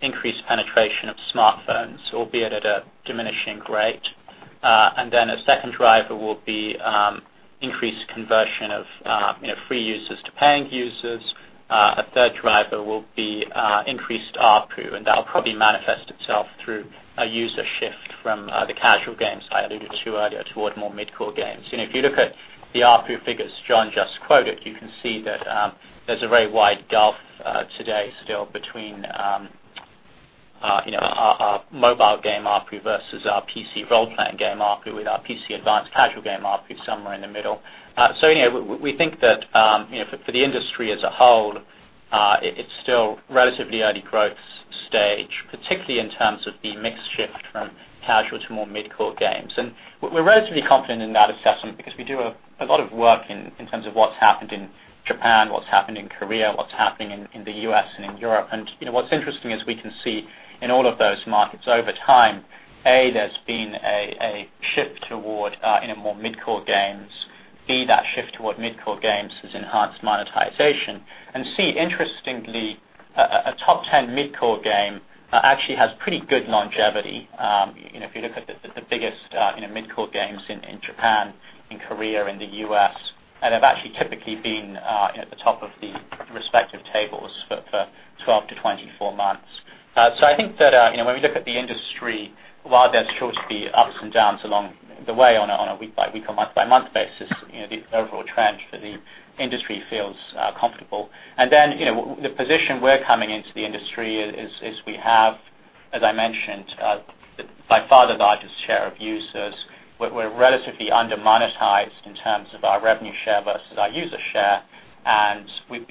increased penetration of smartphones, albeit at a diminishing rate. A second driver will be increased conversion of free users to paying users. A third driver will be increased ARPU, and that will probably manifest itself through a user shift from the casual games I alluded to earlier toward more mid-core games. If you look at the ARPU figures John just quoted, you can see that there's a very wide gulf today still between our mobile game ARPU versus our PC role-playing game ARPU, with our PC advanced casual game ARPU somewhere in the middle. We think that for the industry as a whole, it's still relatively early growth stage, particularly in terms of the mix shift from casual to more mid-core games. We're relatively confident in that assessment because we do a lot of work in terms of what's happened in Japan, what's happened in Korea, what's happening in the U.S. and in Europe. What's interesting is we can see in all of those markets over time, A, there's been a shift toward more mid-core games. B, that shift toward mid-core games has enhanced monetization. C, interestingly, a top 10 mid-core game actually has pretty good longevity. If you look at the biggest mid-core games in Japan, in Korea, in the U.S., they've actually typically been at the top of the respective tables for 12 to 24 months. I think that when we look at the industry, while there's sure to be ups and downs along the way on a week-by-week or month-by-month basis, the overall trend for the industry feels comfortable. The position we're coming into the industry is we have, as I mentioned, by far the largest share of users. We're relatively under-monetized in terms of our revenue share versus our user share, and we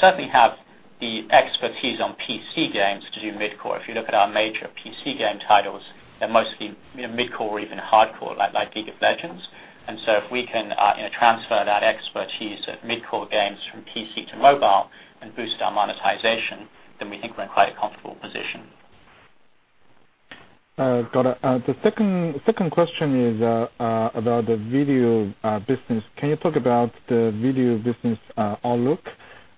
certainly have the expertise on PC games to do mid-core. If you look at our major PC game titles, they're mostly mid-core or even hardcore, like "League of Legends." If we can transfer that expertise of mid-core games from PC to mobile and boost our monetization, then we think we're in quite a comfortable position. Got it. The second question is about the video business. Can you talk about the video business outlook,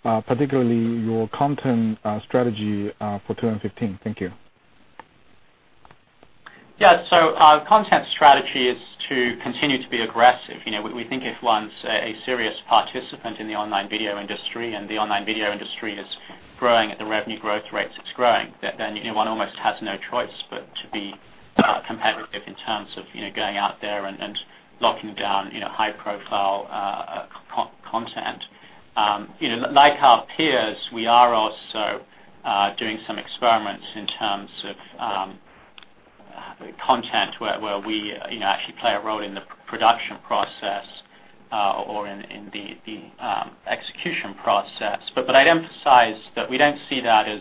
particularly your content strategy for 2015? Thank you. Yeah. Our content strategy is to continue to be aggressive. We think if one's a serious participant in the online video industry, and the online video industry is growing at the revenue growth rates it's growing, then one almost has no choice but to be competitive in terms of going out there and locking down high-profile content. Like our peers, we are also doing some experiments in terms of content where we actually play a role in the production process or in the execution process. I'd emphasize that we don't see that as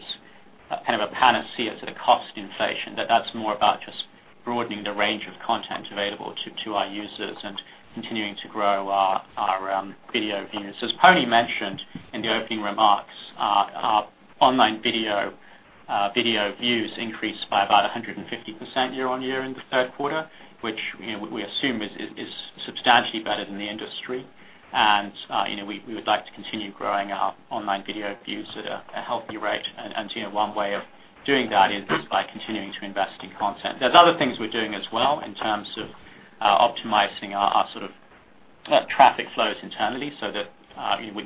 kind of a panacea to the cost inflation, that that's more about just broadening the range of content available to our users and continuing to grow our video views. As Pony mentioned in the opening remarks, our online video views increased by about 150% year-on-year in the third quarter, which we assume is substantially better than the industry. We would like to continue growing our online video views at a healthy rate. One way of doing that is by continuing to invest in content. There's other things we're doing as well in terms of optimizing our traffic flows internally so that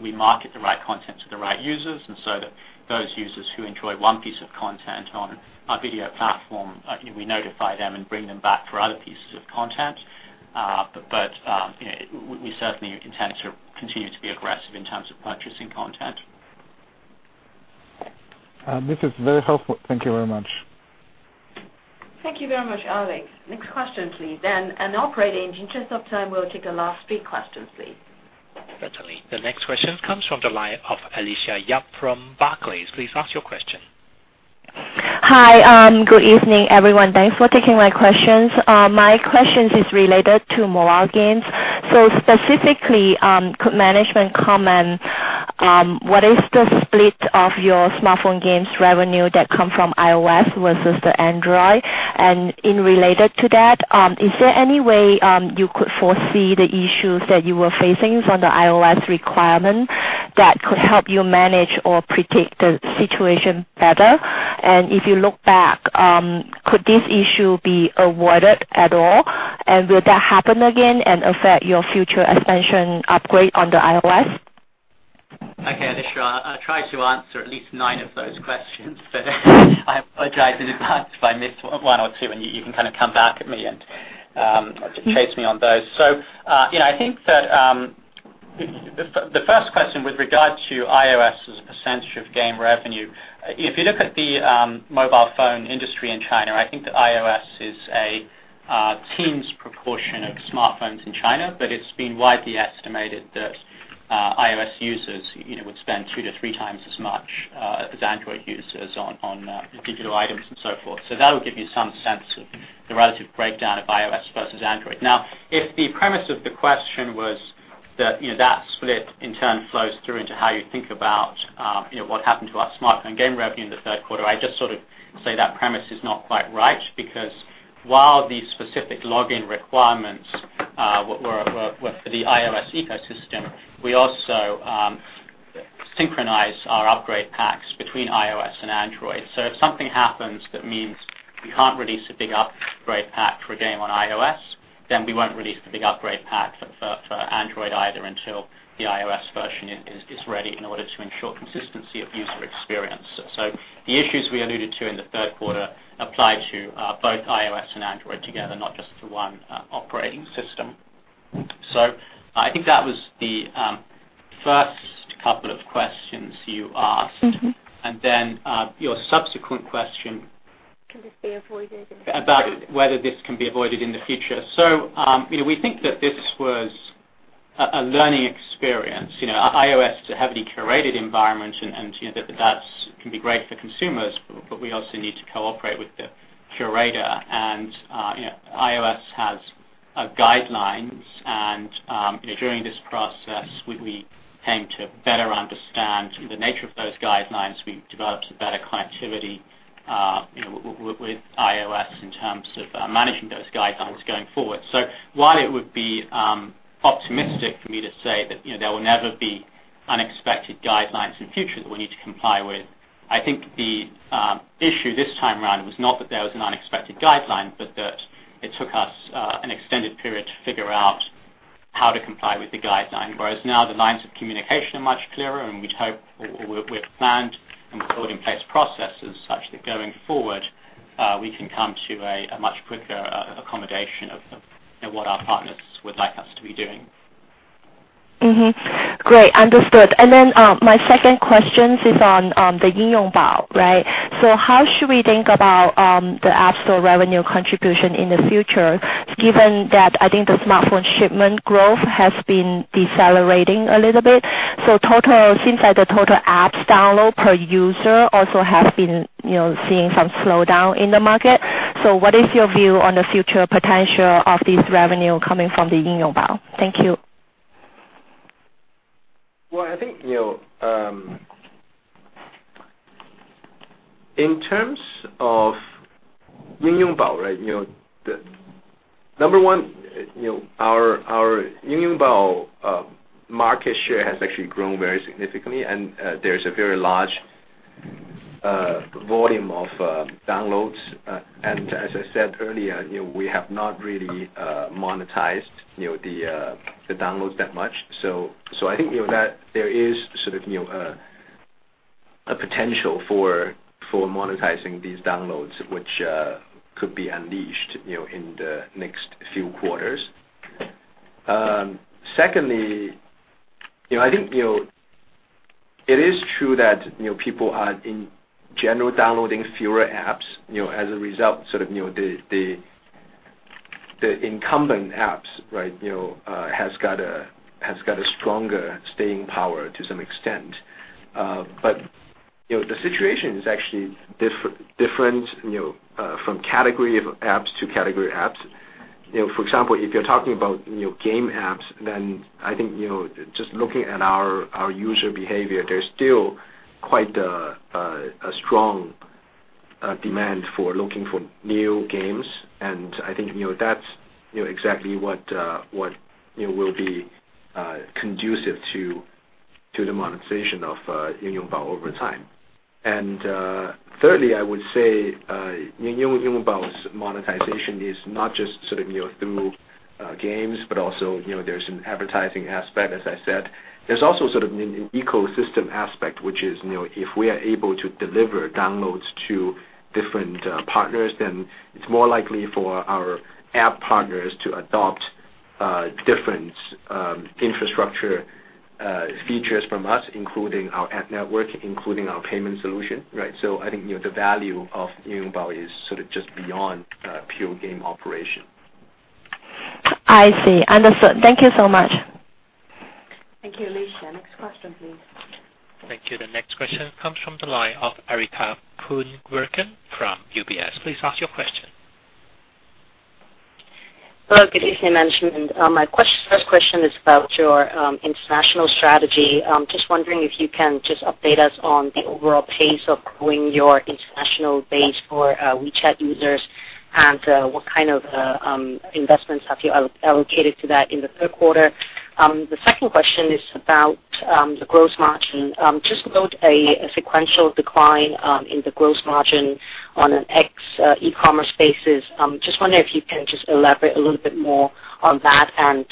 we market the right content to the right users, and so that those users who enjoy one piece of content on our video platform, we notify them and bring them back for other pieces of content. We certainly intend to continue to be aggressive in terms of purchasing content. This is very helpful. Thank you very much. Thank you very much, Alex. Next question, please. In operating, in the interest of time, we'll take the last three questions, please. Certainly. The next question comes from the line of Alicia Yap from Barclays. Please ask your question. Hi. Good evening, everyone. Thanks for taking my questions. My questions is related to mobile games. Specifically, could management comment, what is the split of your smartphone games revenue that come from iOS versus the Android? In related to that, is there any way you could foresee the issues that you were facing from the iOS requirement that could help you manage or predict the situation better? If you look back, could this issue be avoided at all? Will that happen again and affect your future expansion upgrade on the iOS? Okay, Alicia. I'll try to answer at least nine of those questions. I apologize in advance if I miss one or two, and you can kind of come back at me and chase me on those. I think that the first question with regard to iOS as a percentage of game revenue, if you look at the mobile phone industry in China, I think that iOS is a teens proportion of smartphones in China. It's been widely estimated that iOS users would spend two to three times as much as Android users on particular items and so forth. That would give you some sense of the relative breakdown of iOS versus Android. Now, if the premise of the question was that split in turn flows through into how you think about what happened to our smartphone game revenue in the third quarter, I'd just sort of say that premise is not quite right. Because while the specific login requirements, were for the iOS ecosystem, we also synchronize our upgrade packs between iOS and Android. If something happens that means we can't release a big upgrade pack for a game on iOS, we won't release the big upgrade pack for Android either until the iOS version is ready in order to ensure consistency of user experience. The issues we alluded to in the third quarter apply to both iOS and Android together, not just the one operating system. I think that was the first couple of questions you asked. Your subsequent question. Can this be avoided in the future? About whether this can be avoided in the future. We think that this was a learning experience. iOS is a heavily curated environment, and that can be great for consumers, but we also need to cooperate with the curator. iOS has guidelines and during this process, we came to better understand the nature of those guidelines. We developed a better connectivity with iOS in terms of managing those guidelines going forward. While it would be optimistic for me to say that there will never be unexpected guidelines in future that we need to comply with, I think the issue this time around was not that there was an unexpected guideline, but that it took us an extended period to figure out how to comply with the guideline. Whereas now the lines of communication are much clearer, and we'd hope, or we've planned and put in place processes such that going forward, we can come to a much quicker accommodation of what our partners would like us to be doing. Mm-hmm. Great. Understood. My second question is on the Yingyongbao, right? How should we think about the App Store revenue contribution in the future, given that I think the smartphone shipment growth has been decelerating a little bit. It seems like the total apps download per user also have been seeing some slowdown in the market. What is your view on the future potential of this revenue coming from the Yingyongbao? Thank you. Well, I think, in terms of Yingyongbao, right, number one, our Yingyongbao market share has actually grown very significantly, and there's a very large volume of downloads. As I said earlier, we have not really monetized the downloads that much. I think that there is sort of a potential for monetizing these downloads, which could be unleashed in the next few quarters. Secondly, I think It is true that people are in general downloading fewer apps. As a result, the incumbent apps has got a stronger staying power to some extent. The situation is actually different from category of apps to category apps. For example, if you're talking about game apps, I think just looking at our user behavior, there's still quite a strong demand for looking for new games. I think that's exactly what will be conducive to the monetization of Yingyongbao over time. Thirdly, I would say Yingyongbao's monetization is not just through games, but also there's an advertising aspect, as I said. There's also sort of an ecosystem aspect, which is, if we are able to deliver downloads to different partners, then it's more likely for our app partners to adopt different infrastructure features from us, including our app network, including our payment solution. I think, the value of Yingyongbao is sort of just beyond pure game operation. I see. Understood. Thank you so much. Thank you, Alicia. Next question, please. Thank you. The next question comes from the line of Erica Poon Werkun from UBS. Please ask your question. Hello, good evening, management. My first question is about your international strategy. Just wondering if you can just update us on the overall pace of growing your international base for WeChat users, and what kind of investments have you allocated to that in the third quarter? The second question is about the gross margin. Just about a sequential decline in the gross margin on an ex eCommerce basis. Just wondering if you can just elaborate a little bit more on that and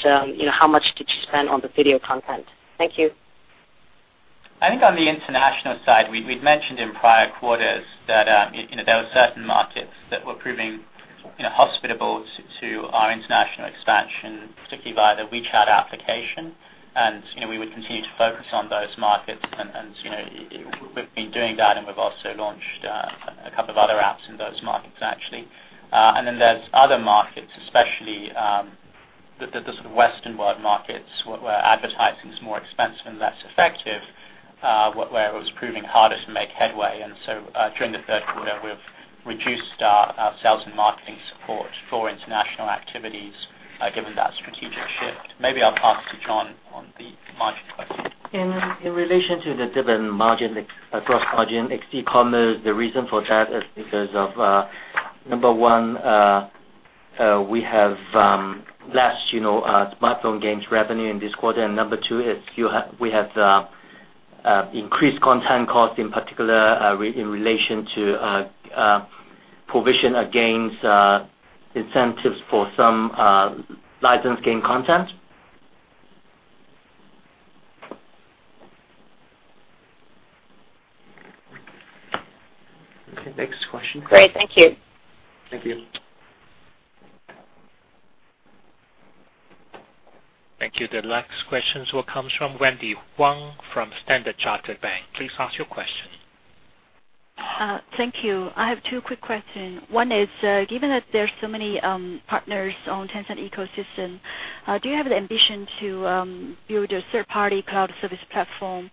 how much did you spend on the video content? Thank you. I think on the international side, we'd mentioned in prior quarters that there were certain markets that were proving hospitable to our international expansion, particularly via the WeChat application. We would continue to focus on those markets, and we've been doing that, and we've also launched a couple of other apps in those markets, actually. There's other markets, especially the sort of Western world markets, where advertising is more expensive and less effective, where it was proving harder to make headway. During the third quarter, we've reduced our sales and marketing support for international activities, given that strategic shift. Maybe I'll pass to John on the margin question. In relation to the different margin, gross margin, ex e-commerce, the reason for that is because of, number one, we have less smartphone games revenue in this quarter, and number two is we have increased content cost, in particular, in relation to provision against incentives for some licensed game content. Okay. Next question. Great. Thank you. Thank you. Thank you. The next questions will come from Wendy Huang from Standard Chartered Bank. Please ask your question. Thank you. I have two quick questions. One is, given that there are so many partners on Tencent ecosystem, do you have the ambition to build a third-party cloud service platform,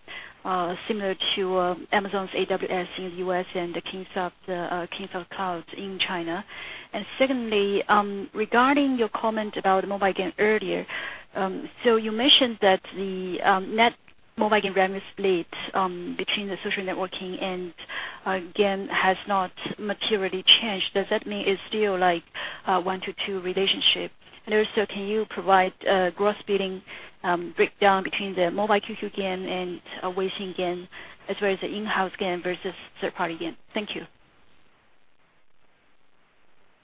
similar to Amazon's AWS in the U.S. and Kingsoft Cloud in China? Secondly, regarding your comment about mobile game earlier, you mentioned that the net mobile game revenue split between the social networking and game has not materially changed. Does that mean it's still a 1 to 2 relationship? Also, can you provide gross billing breakdown between the Mobile QQ game and WeChat game, as well as the in-house game versus third-party game? Thank you.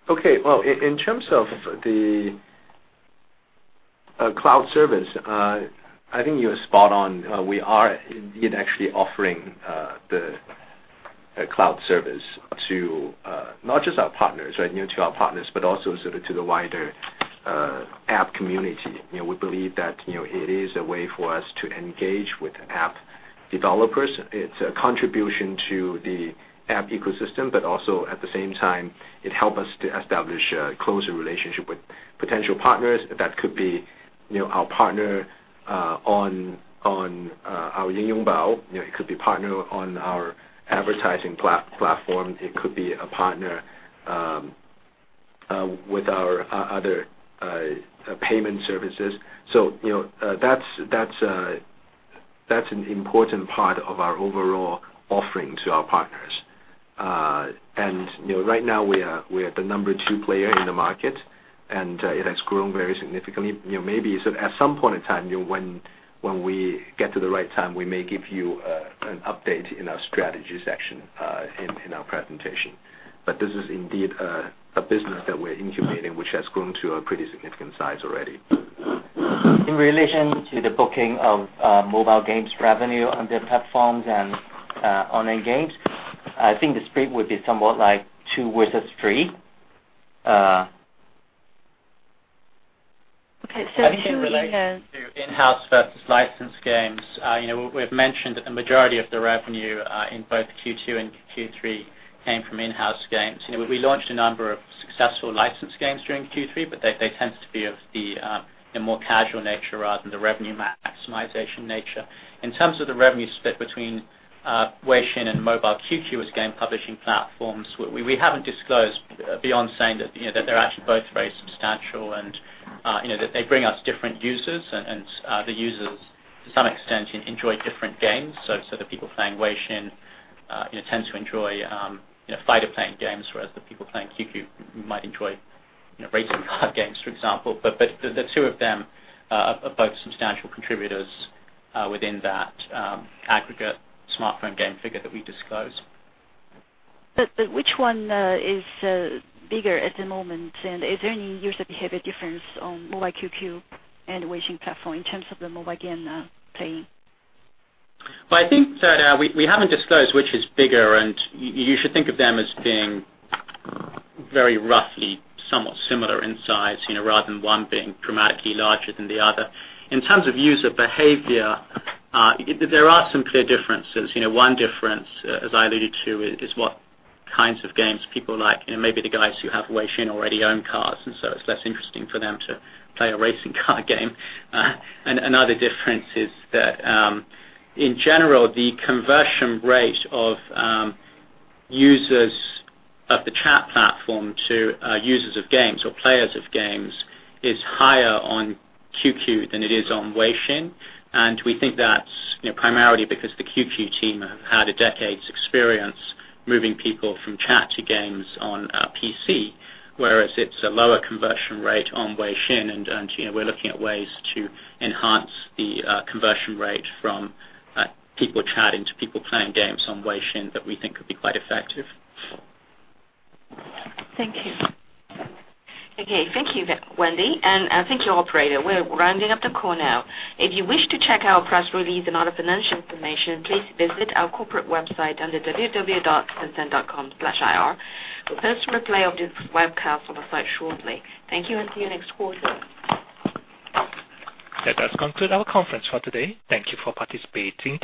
Okay. Well, in terms of the cloud service, I think you are spot on. We are indeed actually offering the cloud service to not just our partners, but also sort of to the wider app community. We believe that it is a way for us to engage with app developers. It's a contribution to the app ecosystem, but also, at the same time, it helps us to establish a closer relationship with potential partners. That could be our partner on our Yingyongbao, it could be partner on our advertising platform, it could be a partner with our other payment services. That's an important part of our overall offering to our partners. Right now, we are the number 2 player in the market, and it has grown very significantly. Maybe at some point in time, when we get to the right time, we may give you an update in our strategy section in our presentation. This is indeed a business that we're incubating, which has grown to a pretty significant size already. In relation to the booking of mobile games revenue on their platforms and online games, I think the split would be somewhat like two versus three. Okay. I think relating to in-house versus licensed games, we've mentioned that the majority of the revenue in both Q2 and Q3 came from in-house games. We launched a number of successful licensed games during Q3, but they tend to be of the more casual nature rather than the revenue maximization nature. In terms of the revenue split between Weixin and Mobile QQ as game publishing platforms, we haven't disclosed beyond saying that they're actually both very substantial and that they bring us different users, and the users, to some extent, enjoy different games. The people playing Weixin tend to enjoy fighter plane games, whereas the people playing QQ might enjoy racing car games, for example. The two of them are both substantial contributors within that aggregate smartphone game figure that we disclosed. Which one is bigger at the moment, and is there any user behavior difference on Mobile QQ and Weixin platform in terms of the mobile game playing? Well, I think that we haven't disclosed which is bigger, and you should think of them as being very roughly somewhat similar in size, rather than one being dramatically larger than the other. In terms of user behavior, there are some clear differences. One difference, as I alluded to, is what kinds of games people like. Maybe the guys who have Weixin already own cars, and so it's less interesting for them to play a racing car game. Another difference is that, in general, the conversion rate of users of the chat platform to users of games or players of games is higher on QQ than it is on Weixin. We think that's primarily because the QQ team have had a decade's experience moving people from chat to games on PC, whereas it's a lower conversion rate on Weixin, and we're looking at ways to enhance the conversion rate from people chatting to people playing games on Weixin that we think could be quite effective. Thank you. Okay. Thank you, Wendy, and thank you, operator. We're rounding up the call now. If you wish to check our press release and other financial information, please visit our corporate website under www.tencent.com/ir. The first replay of this webcast on the site shortly. Thank you and see you next quarter. That does conclude our conference for today. Thank you for participating.